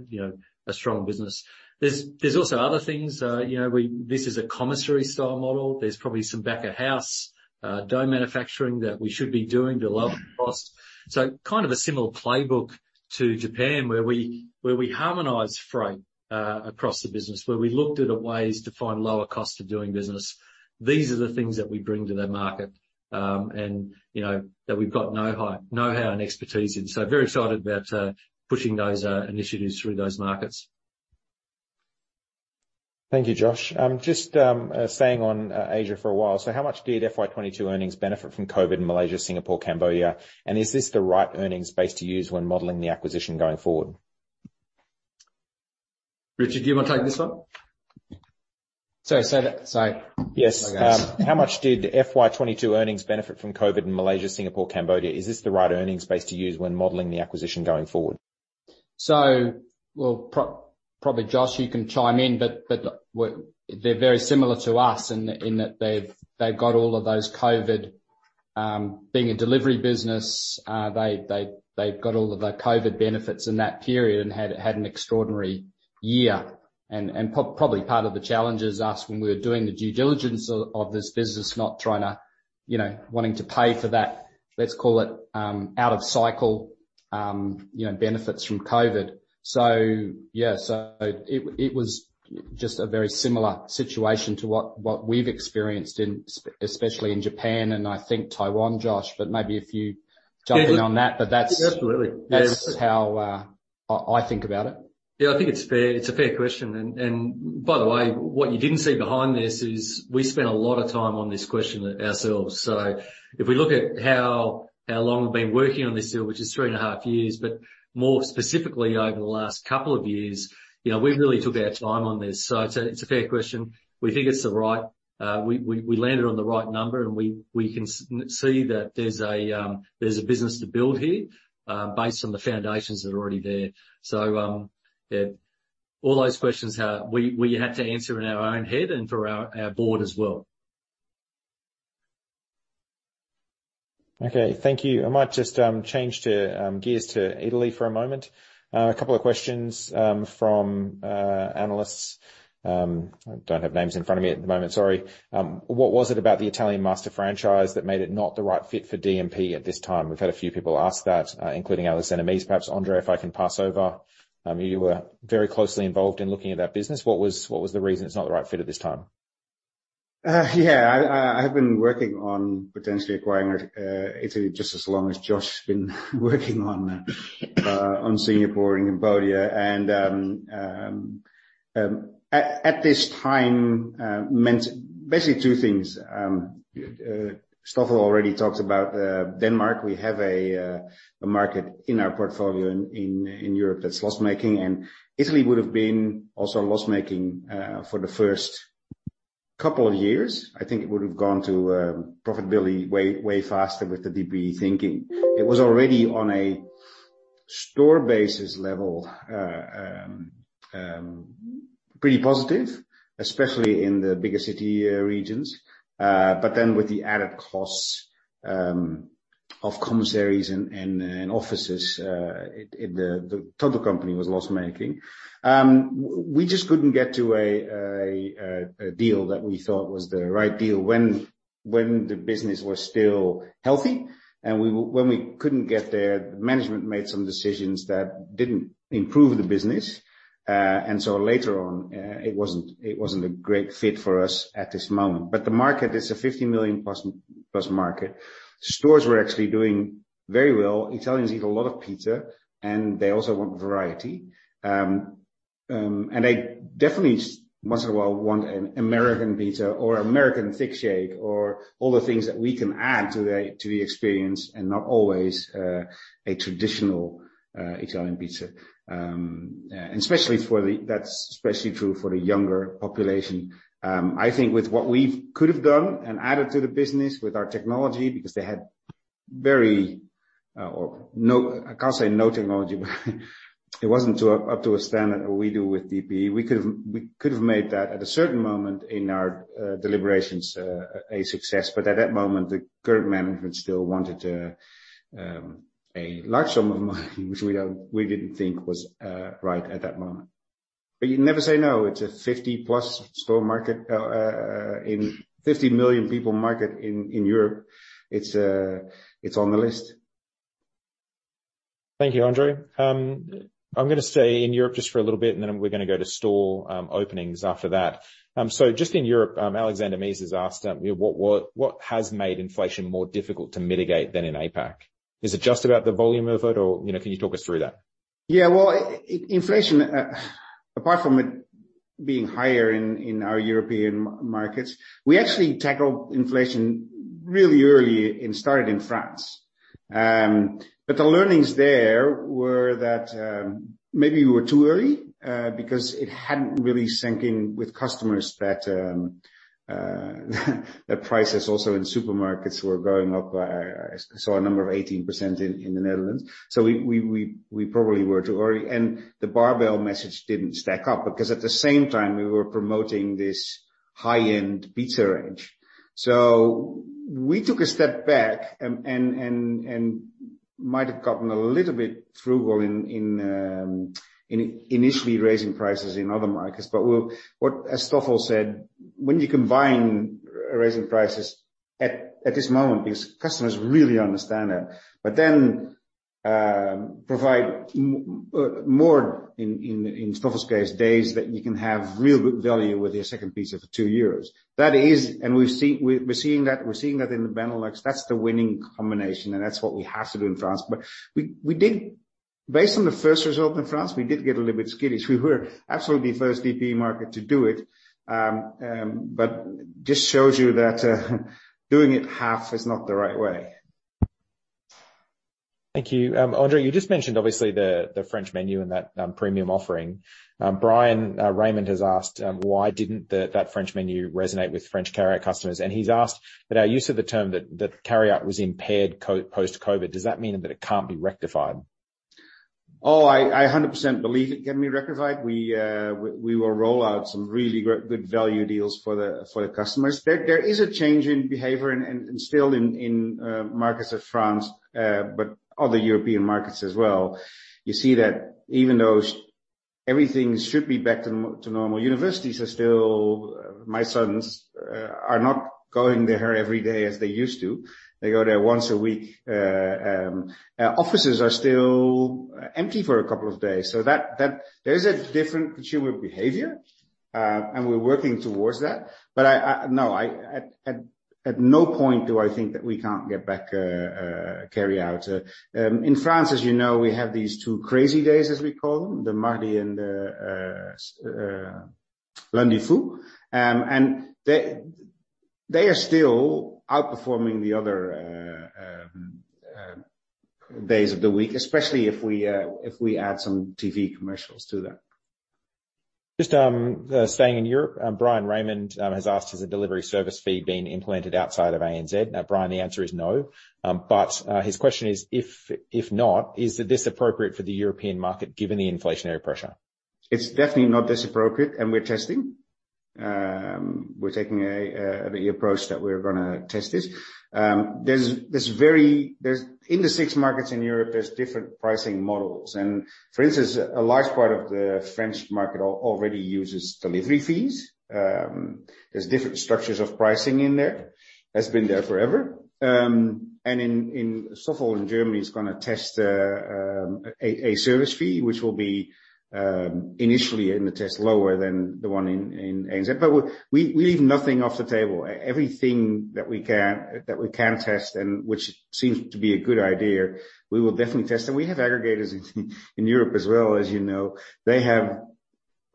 strong business. There's also other things. This is a commissary-style model. There's probably some back-of-house dough manufacturing that we should be doing below cost. So kind of a similar playbook to Japan where we harmonize freight across the business, where we looked at ways to find lower cost of doing business. These are the things that we bring to the market and that we've got know-how and expertise in. So very excited about pushing those initiatives through those markets. Thank you, Josh. Just staying on Asia for a while. So how much did FY 2022 earnings benefit from COVID in Malaysia, Singapore, Cambodia? And is this the right earnings base to use when modeling the acquisition going forward? Richard, do you want to take this one? Sorry. Sorry. Yes. How much did FY 2022 earnings benefit from COVID in Malaysia, Singapore, Cambodia? Is this the right earnings base to use when modeling the acquisition going forward? Well, probably Josh, you can chime in, but they're very similar to us in that they've got all of those COVID being a delivery business. They've got all of the COVID benefits in that period and had an extraordinary year. And probably part of the challenge is us, when we were doing the due diligence of this business, not trying to wanting to pay for that, let's call it out-of-cycle benefits from COVID. Yeah, so it was just a very similar situation to what we've experienced, especially in Japan and I think Taiwan, Josh, but maybe if you jump in on that. But that's how I think about it. Yeah, I think it's a fair question. And by the way, what you didn't see behind this is we spent a lot of time on this question ourselves. So if we look at how long we've been working on this deal, which is three and a half years, but more specifically over the last couple of years, we really took our time on this. So it's a fair question. We think it's the right. We landed on the right number. And we can see that there's a business to build here based on the foundations that are already there. So all those questions we had to answer in our own head and for our board as well. Okay, thank you. I might just change gears to Italy for a moment. A couple of questions from analysts. I don't have names in front of me at the moment. Sorry.What was it about the Italian master franchise that made it not the right fit for DPE at this time? We've had a few people ask that, including Alexander Mees, perhaps. André, if I can pass over, you were very closely involved in looking at that business. What was the reason it's not the right fit at this time? Yeah, I have been working on potentially acquiring Italy just as long as Josh has been working on Singapore and Cambodia. And at this time, basically two things. Stoffel already talked about Denmark. We have a market in our portfolio in Europe that's loss-making. And Italy would have been also loss-making for the first couple of years. I think it would have gone to profitability way faster with the DPE thinking. It was already on a store basis level, pretty positive, especially in the bigger city regions. But then with the added costs of commissaries and offices, the total company was loss-making. We just couldn't get to a deal that we thought was the right deal when the business was still healthy. And when we couldn't get there, the management made some decisions that didn't improve the business. And so later on, it wasn't a great fit for us at this moment. But the market is a 50+ million market. Stores were actually doing very well. Italians eat a lot of pizza, and they also want variety. And they definitely, once in a while, want an American pizza or American thick shake or all the things that we can add to the experience and not always a traditional Italian pizza. And that's especially true for the younger population. I think with what we could have done and added to the business with our technology, because they had very—I can't say no technology, but it wasn't up to a standard that we do with DPE. We could have made that at a certain moment in our deliberations a success. But at that moment, the current management still wanted a large sum of money, which we didn't think was right at that moment. But you never say no. It's a 50+ store market in a 50 million-people market in Europe. It's on the list. Thank you, André. I'm going to stay in Europe just for a little bit, and then we're going to go to store openings after that. So just in Europe, Alexander Mees has asked, "What has made inflation more difficult to mitigate than in APAC?" Is it just about the volume of it, or can you talk us through that? Yeah, well, inflation, apart from it being higher in our European markets, we actually tackled inflation really early and started in France. But the learnings there were that maybe we were too early because it hadn't really sunk in with customers that prices also in supermarkets were going up. I saw a number of 18% in the Netherlands. So we probably were too early. And the barbell message didn't stack up because at the same time, we were promoting this high-end pizza range. So we took a step back and might have gotten a little bit frugal in initially raising prices in other markets. But as Stoffel said, when you combine raising prices at this moment, because customers really understand that, but then provide more in Stoffel's case, deals that you can have real good value with your second pizza for 2 euros. And we're seeing that in the Benelux. That's the winning combination, and that's what we have to do in France. But based on the first result in France, we did get a little bit skittish. We were absolutely the first DPE market to do it. But it just shows you that doing it half is not the right way. Thank you. André, you just mentioned, obviously, the French menu and that premium offering. Bryan Raymond has asked, "Why didn't that French menu resonate with French carry-out customers?" And he's asked that our use of the term that carry-out was impaired post-COVID. Does that mean that it can't be rectified? Oh, I 100% believe it can be rectified. We will roll out some really good value deals for the customers. There is a change in behavior and still in markets of France, but other European markets as well. You see that even though everything should be back to normal, universities are still. My sons are not going there every day as they used to. They go there once a week. Offices are still empty for a couple of days. So there's a different consumer behavior, and we're working towards that. But no, at no point do I think that we can't get back carry-out. In France, as you know, we have these two crazy days, as we call them, the Mardi and the Lundi. And they are still outperforming the other days of the week, especially if we add some TV commercials to that. Just staying in Europe, Bryan Raymond has asked, "Has a delivery service fee been implemented outside of ANZ?" Now, Bryan, the answer is no. But his question is, "If not, is this appropriate for the European market given the inflationary pressure?" It's definitely not inappropriate, and we're testing. We're taking the approach that we're going to test this. In the six markets in Europe, there's different pricing models. And for instance, a large part of the French market already uses delivery fees. There's different structures of pricing in there. That's been there forever. And Stoffel in Germany is going to test a service fee, which will be initially in the test lower than the one in ANZ. But we leave nothing off the table. Everything that we can test and which seems to be a good idea, we will definitely test. And we have aggregators in Europe as well, as you know. They have,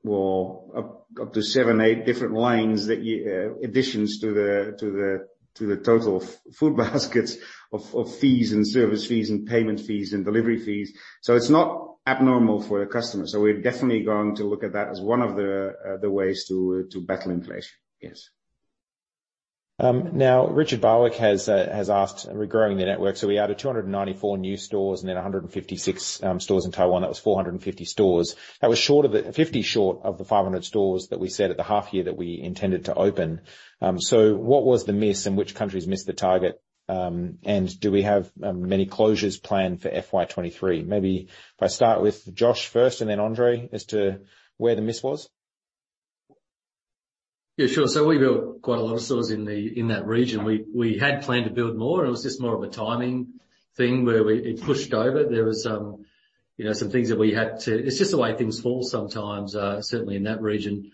well, up to seven, eight different lines that add up to the total basket of fees and service fees and payment fees and delivery fees. So it's not abnormal for the customers. So we're definitely going to look at that as one of the ways to battle inflation. Yes. Now, Richard Barwick has asked regarding the network. So we added 294 new stores and then 156 stores in Taiwan. That was 450 stores. That was 50 short of the 500 stores that we said at the half year that we intended to open. So what was the miss and which countries missed the target? And do we have many closures planned for FY 2023? Maybe if I start with Josh first and then André as to where the miss was. Yeah, sure. We built quite a lot of stores in that region. We had planned to build more. It was just more of a timing thing where it pushed over. There were some things that we had to. It's just the way things fall sometimes, certainly in that region.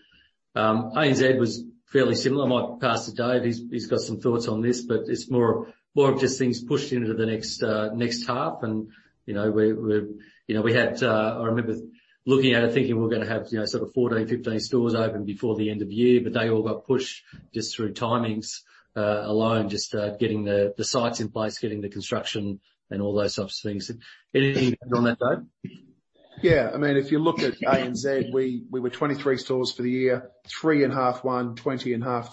ANZ was fairly similar. My partner, Dave, he's got some thoughts on this, but it's more of just things pushed into the next half. And we had. I remember looking at it, thinking we were going to have sort of 14 stores, 15 stores open before the end of the year, but they all got pushed just through timings alone, just getting the sites in place, getting the construction, and all those sorts of things. Anything to add on that, Dave? Yeah. I mean, if you look at ANZ, we were 23 stores for the year, three in half one, 20 in half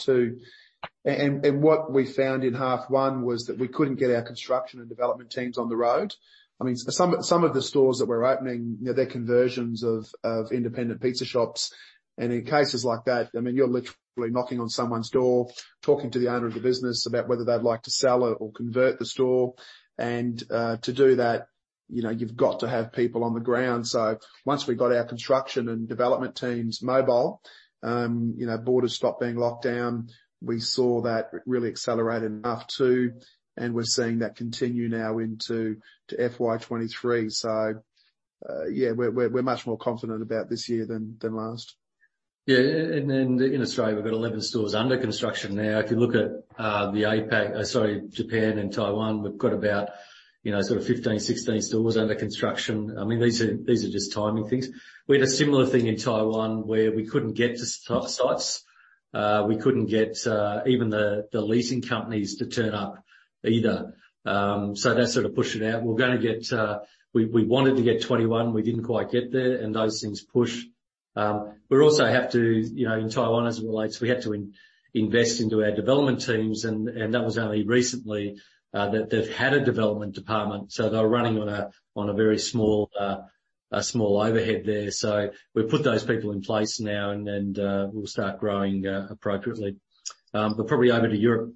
two. What we found in half one was that we couldn't get our construction and development teams on the road. I mean, some of the stores that we're opening, they're conversions of independent pizza shops. In cases like that, I mean, you're literally knocking on someone's door, talking to the owner of the business about whether they'd like to sell it or convert the store. To do that, you've got to have people on the ground. Once we got our construction and development teams mobile, borders stopped being locked down. We saw that really accelerate in that too. We're seeing that continue now into FY 2023. Yeah, we're much more confident about this year than last. In Australia, we've got 11 stores under construction now. If you look at the APAC, sorry, Japan and Taiwan, we've got about sort of 15-16 stores under construction.I mean, these are just timing things. We had a similar thing in Taiwan where we couldn't get to sites. We couldn't get even the leasing companies to turn up either. So that sort of pushed it out. We're going to get. We wanted to get 21. We didn't quite get there, and those things pushed. We also have to, in Taiwan, as it relates, we had to invest into our development teams, and that was only recently that they've had a development department. So they're running on a very small overhead there. So we put those people in place now, and we'll start growing appropriately, but probably over to Europe.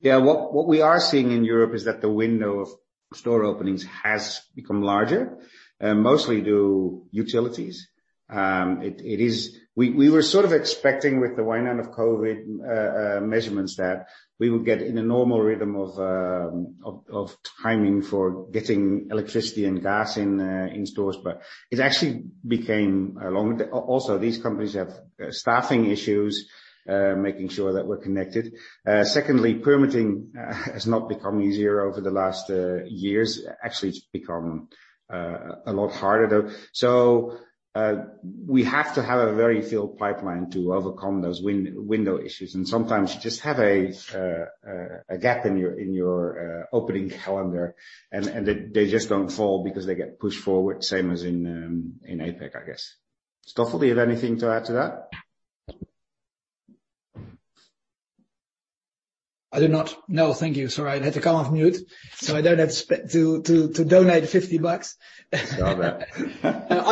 Yeah. What we are seeing in Europe is that the window of store openings has become larger, mostly due to utilities. We were sort of expecting with the way now of COVID measurements that we would get in a normal rhythm of timing for getting electricity and gas in stores. But it actually became longer. Also, these companies have staffing issues, making sure that we're connected. Secondly, permitting has not become easier over the last years. Actually, it's become a lot harder. So we have to have a very field pipeline to overcome those window issues. And sometimes you just have a gap in your opening calendar, and they just don't fall because they get pushed forward, same as in APAC, I guess. Stoffel, do you have anything to add to that? I do not. No. Thank you. Sorry. I had to come off mute. So I don't have to donate 50 bucks. I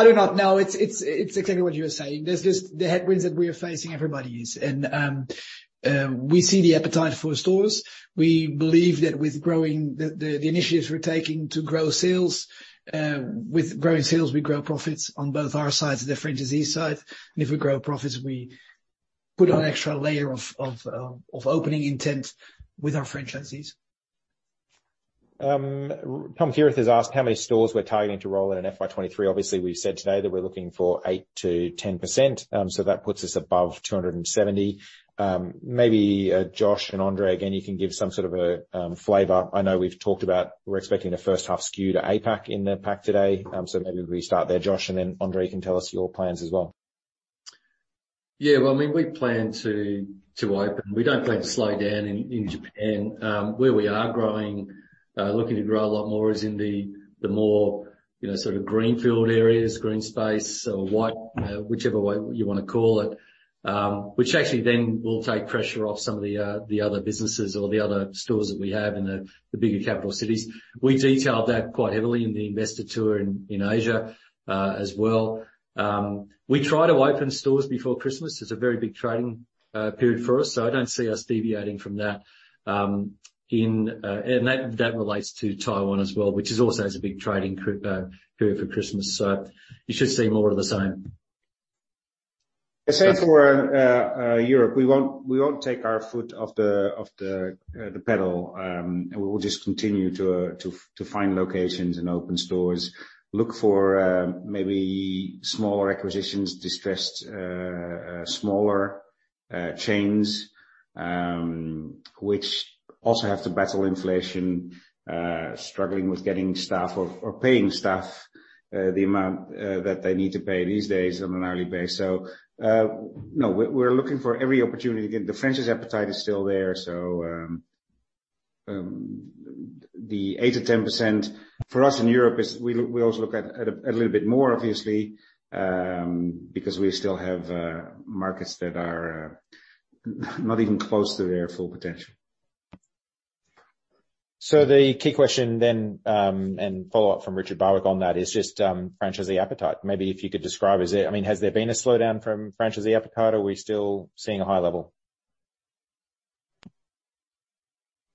do not. No. It's exactly what you were saying. There's just the headwinds that we are facing, everybody is. We see the appetite for stores. We believe that with the initiatives we're taking to grow sales, with growing sales, we grow profits on both our sides, the franchisee side. If we grow profits, we put on an extra layer of opening intent with our franchisees. Tom Kierath has asked how many stores we're targeting to roll in an FY 2023. Obviously, we've said today that we're looking for 8%-10%. So that puts us above 270. Maybe Josh and André, again, you can give some sort of a flavor. I know we've talked about we're expecting the first half skew to APAC impact today. So maybe we start there, Josh, and then André can tell us your plans as well. Yeah. Well, I mean, we plan to open. We don't plan to slow down in Japan. Where we are growing, looking to grow a lot more is in the more sort of greenfield areas, green space, or white, whichever way you want to call it, which actually then will take pressure off some of the other businesses or the other stores that we have in the bigger capital cities. We detailed that quite heavily in the investor tour in Asia as well. We try to open stores before Christmas. It's a very big trading period for us. So I don't see us deviating from that. And that relates to Taiwan as well, which also has a big trading period for Christmas. So you should see more of the same. Same for Europe. We won't take our foot off the pedal. We will just continue to find locations and open stores, look for maybe smaller acquisitions, distressed, smaller chains, which also have to battle inflation, struggling with getting staff or paying staff the amount that they need to pay these days on an hourly basis. So no, we're looking for every opportunity. Again, the French appetite is still there. So the 8%-10% for us in Europe, we also look at a little bit more, obviously, because we still have markets that are not even close to their full potential. So the key question then and follow-up from Richard Barwick on that is just franchisee appetite. Maybe if you could describe, I mean, has there been a slowdown from franchisee appetite, or are we still seeing a high level?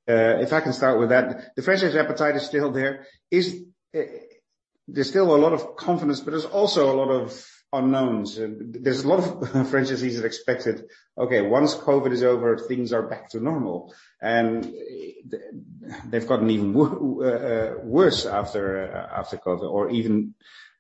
If I can start with that, the franchisee appetite is still there. There's still a lot of confidence, but there's also a lot of unknowns. There's a lot of franchisees that expected, "Okay, once COVID is over, things are back to normal," and they've gotten even worse after COVID or even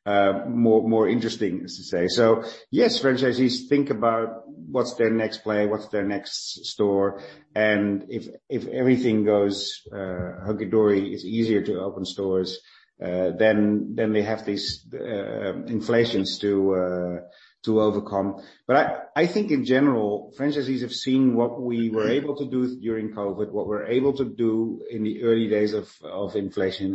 more interesting, as to say, so yes, franchisees think about what's their next play, what's their next store, and if everything goes hunky-dory, it's easier to open stores, then they have these inflations to overcome, but I think in general, franchisees have seen what we were able to do during COVID, what we're able to do in the early days of inflation,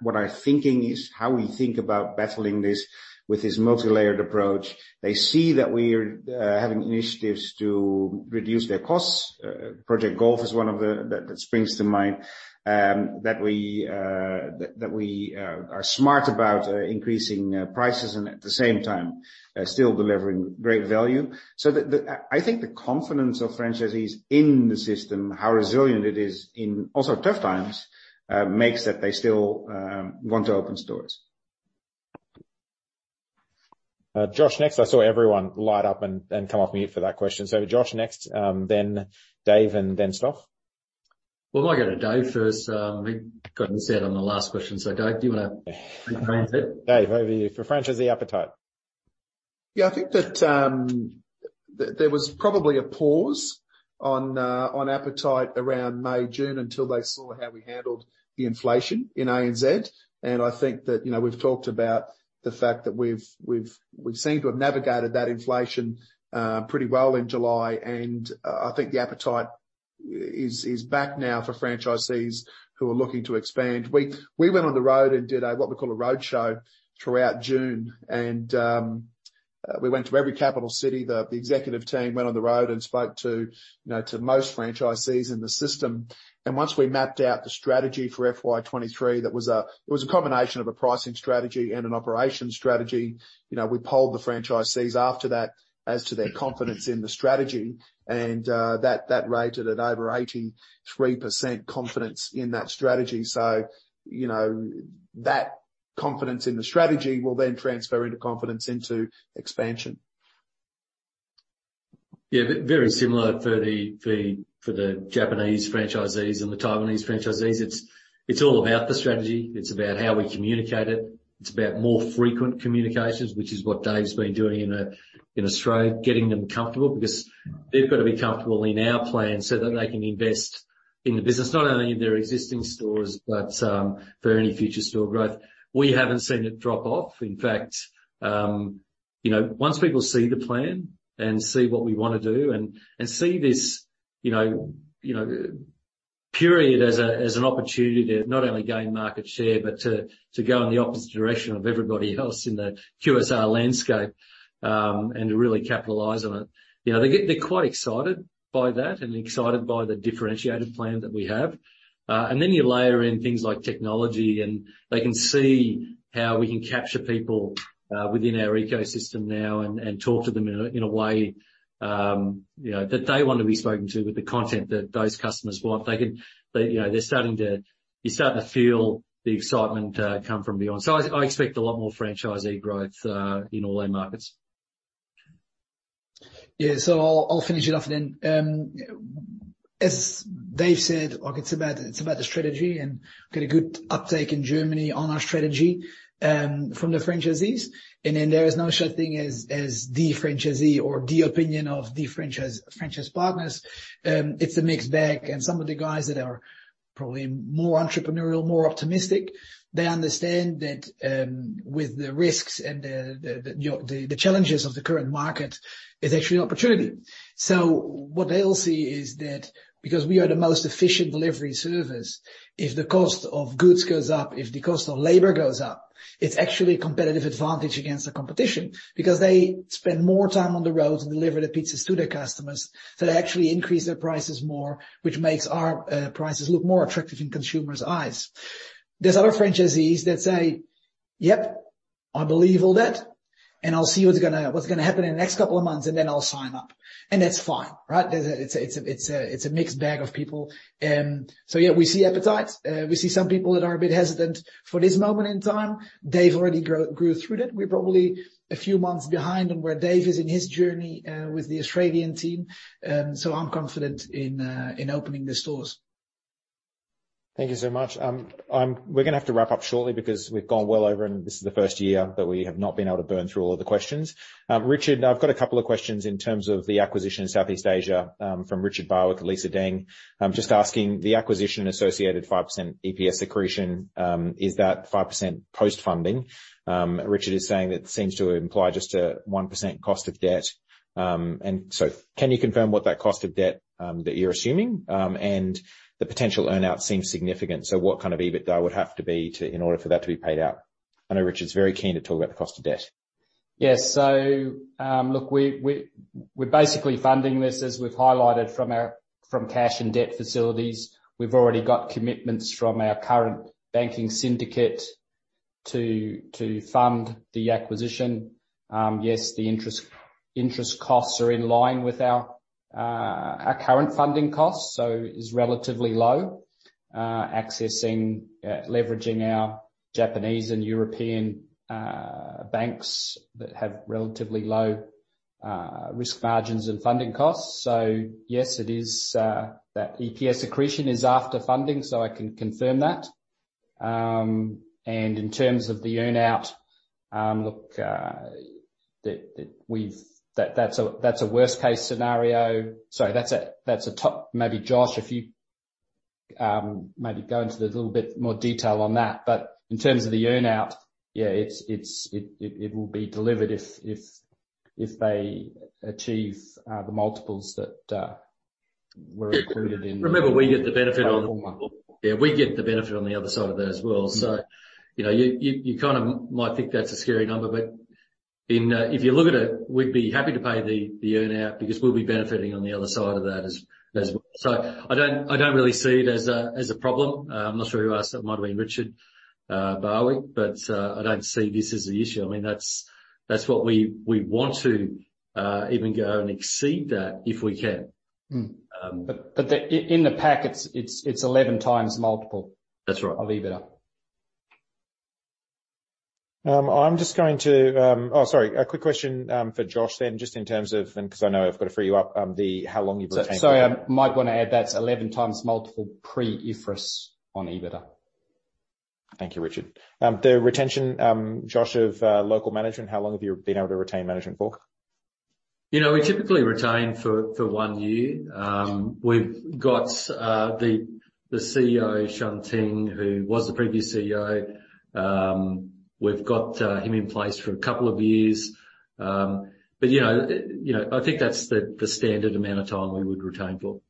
what our thinking is, how we think about battling this with this multi-layered approach. They see that we're having initiatives to reduce their costs. Project Golf is one of those that springs to mind that we are smart about increasing prices and at the same time still delivering great value. So I think the confidence of franchisees in the system, how resilient it is, also in tough times, makes that they still want to open stores. Josh, next. I saw everyone light up and come off mute for that question. So Josh next, then Dave, and then Stoff. Well, am I going to Dave first? I got to say it on the last question. So Dave, do you want to? Dave, over to you for franchisee appetite. Yeah, I think that there was probably a pause on appetite around May, June until they saw how we handled the inflation in ANZ. And I think that we've talked about the fact that we've seemed to have navigated that inflation pretty well in July.I think the appetite is back now for franchisees who are looking to expand. We went on the road and did what we call a roadshow throughout June. We went to every capital city. The executive team went on the road and spoke to most franchisees in the system. Once we mapped out the strategy for FY 2023, it was a combination of a pricing strategy and an operation strategy. We polled the franchisees after that as to their confidence in the strategy. That rated at over 83% confidence in that strategy. That confidence in the strategy will then transfer into confidence into expansion. Yeah, very similar for the Japanese franchisees and the Taiwanese franchisees. It's all about the strategy. It's about how we communicate it.It's about more frequent communications, which is what Dave's been doing in Australia, getting them comfortable because they've got to be comfortable in our plan so that they can invest in the business, not only in their existing stores, but for any future store growth. We haven't seen it drop off. In fact, once people see the plan and see what we want to do and see this period as an opportunity to not only gain market share, but to go in the opposite direction of everybody else in the QSR landscape and to really capitalize on it. They're quite excited by that and excited by the differentiated plan that we have. And then you layer in things like technology, and they can see how we can capture people within our ecosystem now and talk to them in a way that they want to be spoken to with the content that those customers want. They're starting to, you start to feel the excitement come from beyond. I expect a lot more franchisee growth in all their markets. Yeah, so I'll finish it off then. As Dave said, it's about the strategy and got a good uptake in Germany on our strategy from the franchisees. There is no such thing as the franchisee or the opinion of the franchise partners. It's a mixed bag. Some of the guys that are probably more entrepreneurial, more optimistic, they understand that with the risks and the challenges of the current market, it's actually an opportunity. So what they'll see is that because we are the most efficient delivery service, if the cost of goods goes up, if the cost of labor goes up, it's actually a competitive advantage against the competition because they spend more time on the road to deliver the pizzas to their customers. So they actually increase their prices more, which makes our prices look more attractive in consumers' eyes. There's other franchisees that say, "Yep, I believe all that. And I'll see what's going to happen in the next couple of months, and then I'll sign up." And that's fine, right? It's a mixed bag of people. So yeah, we see appetite. We see some people that are a bit hesitant for this moment in time. Dave already gone through that. We're probably a few months behind on where Dave is in his journey with the Australian team. So I'm confident in opening the stores. Thank you so much. We're going to have to wrap up shortly because we've gone well over, and this is the first year that we have not been able to burn through all of the questions. Richard, I've got a couple of questions in terms of the acquisition in Southeast Asia from Richard Barwick, Lisa Deng. Just asking, the acquisition associated 5% EPS accretion, is that 5% post-funding? Richard is saying that seems to imply just a 1% cost of debt. And so can you confirm what that cost of debt that you're assuming and the potential earnout seems significant? So what kind of EBITDA would have to be in order for that to be paid out? I know Richard's very keen to talk about the cost of debt. Yes.So look, we're basically funding this, as we've highlighted, from cash and debt facilities. We've already got commitments from our current banking syndicate to fund the acquisition. Yes, the interest costs are in line with our current funding costs, so it's relatively low, leveraging our Japanese and European banks that have relatively low risk margins and funding costs. So yes, that EPS accretion is after funding, so I can confirm that. And in terms of the earnout, look, that's a worst-case scenario. Sorry, that's a top maybe, Josh, if you maybe go into a little bit more detail on that. But in terms of the earnout, yeah, it will be delivered if they achieve the multiples that were included in. Remember, we get the benefit on. Yeah, we get the benefit on the other side of that as well. So you kind of might think that's a scary number, but if you look at it, we'd be happy to pay the earnout because we'll be benefiting on the other side of that as well. So I don't really see it as a problem. I'm not sure who asked that. It might have been Richard Barwick, but I don't see this as the issue. I mean, that's what we want to even go and exceed that if we can. But in the pack, it's 11x multiple of EBITDA. That's right. I'm just going to. Oh, sorry, a quick question for Josh then, just in terms of, and because I know I've got to free you up, how long you've retained that. So I might want to add that's 11x multiple pre-IFRS on EBITDA. Thank you, Richard.The retention, Josh, of local management, how long have you been able to retain management for? We typically retain for one year. We've got the CEO, Shan-Ting, who was the previous CEO. We've got him in place for a couple of years. But I think that's the standard amount of time we would retain for.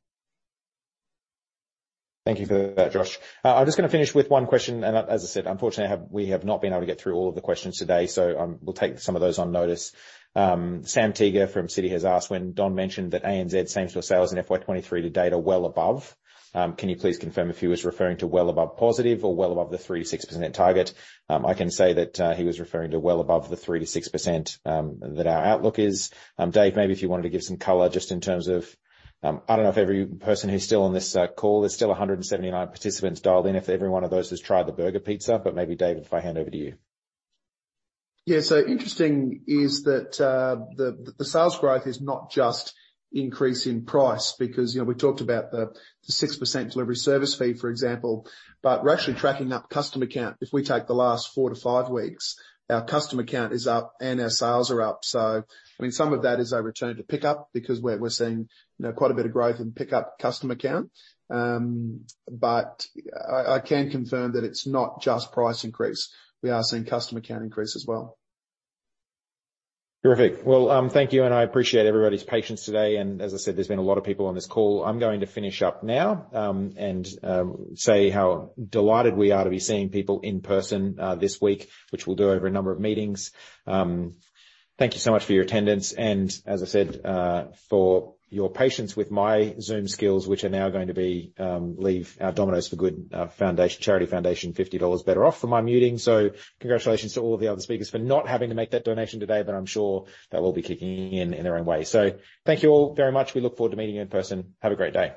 Thank you for that, Josh. I'm just going to finish with one question. And as I said, unfortunately, we have not been able to get through all of the questions today, so we'll take some of those on notice. Sam Teeger from Citi has asked, "When Don mentioned that ANZ seems to have sales in FY 2023 today at a well above, can you please confirm if he was referring to well above positive or well above the 3%-6% target?" I can say that he was referring to well above the 3%-6% that our outlook is. Dave, maybe if you wanted to give some color just in terms of. I don't know if every person who's still on this call, there's still 179 participants dialed in if every one of those has tried the Burger Pizza. But maybe, Dave, if I hand over to you. Yeah. So interesting is that the sales growth is not just increasing price because we talked about the 6% delivery service fee, for example, but we're actually tracking up customer count. If we take the last four to five weeks, our customer count is up and our sales are up. So I mean, some of that is our return to pickup because we're seeing quite a bit of growth in pickup customer count. But I can confirm that it's not just price increase. We are seeing customer count increase as well. Terrific. Well, thank you. And I appreciate everybody's patience today. And as I said, there's been a lot of people on this call. I'm going to finish up now and say how delighted we are to be seeing people in person this week, which we'll do over a number of meetings. Thank you so much for your attendance. And as I said, for your patience with my Zoom skills, which are now going to leave our Domino's for Good Charity Foundation AUD 50 better off for my muting. So congratulations to all of the other speakers for not having to make that donation today, but I'm sure that will be kicking in in their own way. So thank you all very much. We look forward to meeting you in person. Have a great day.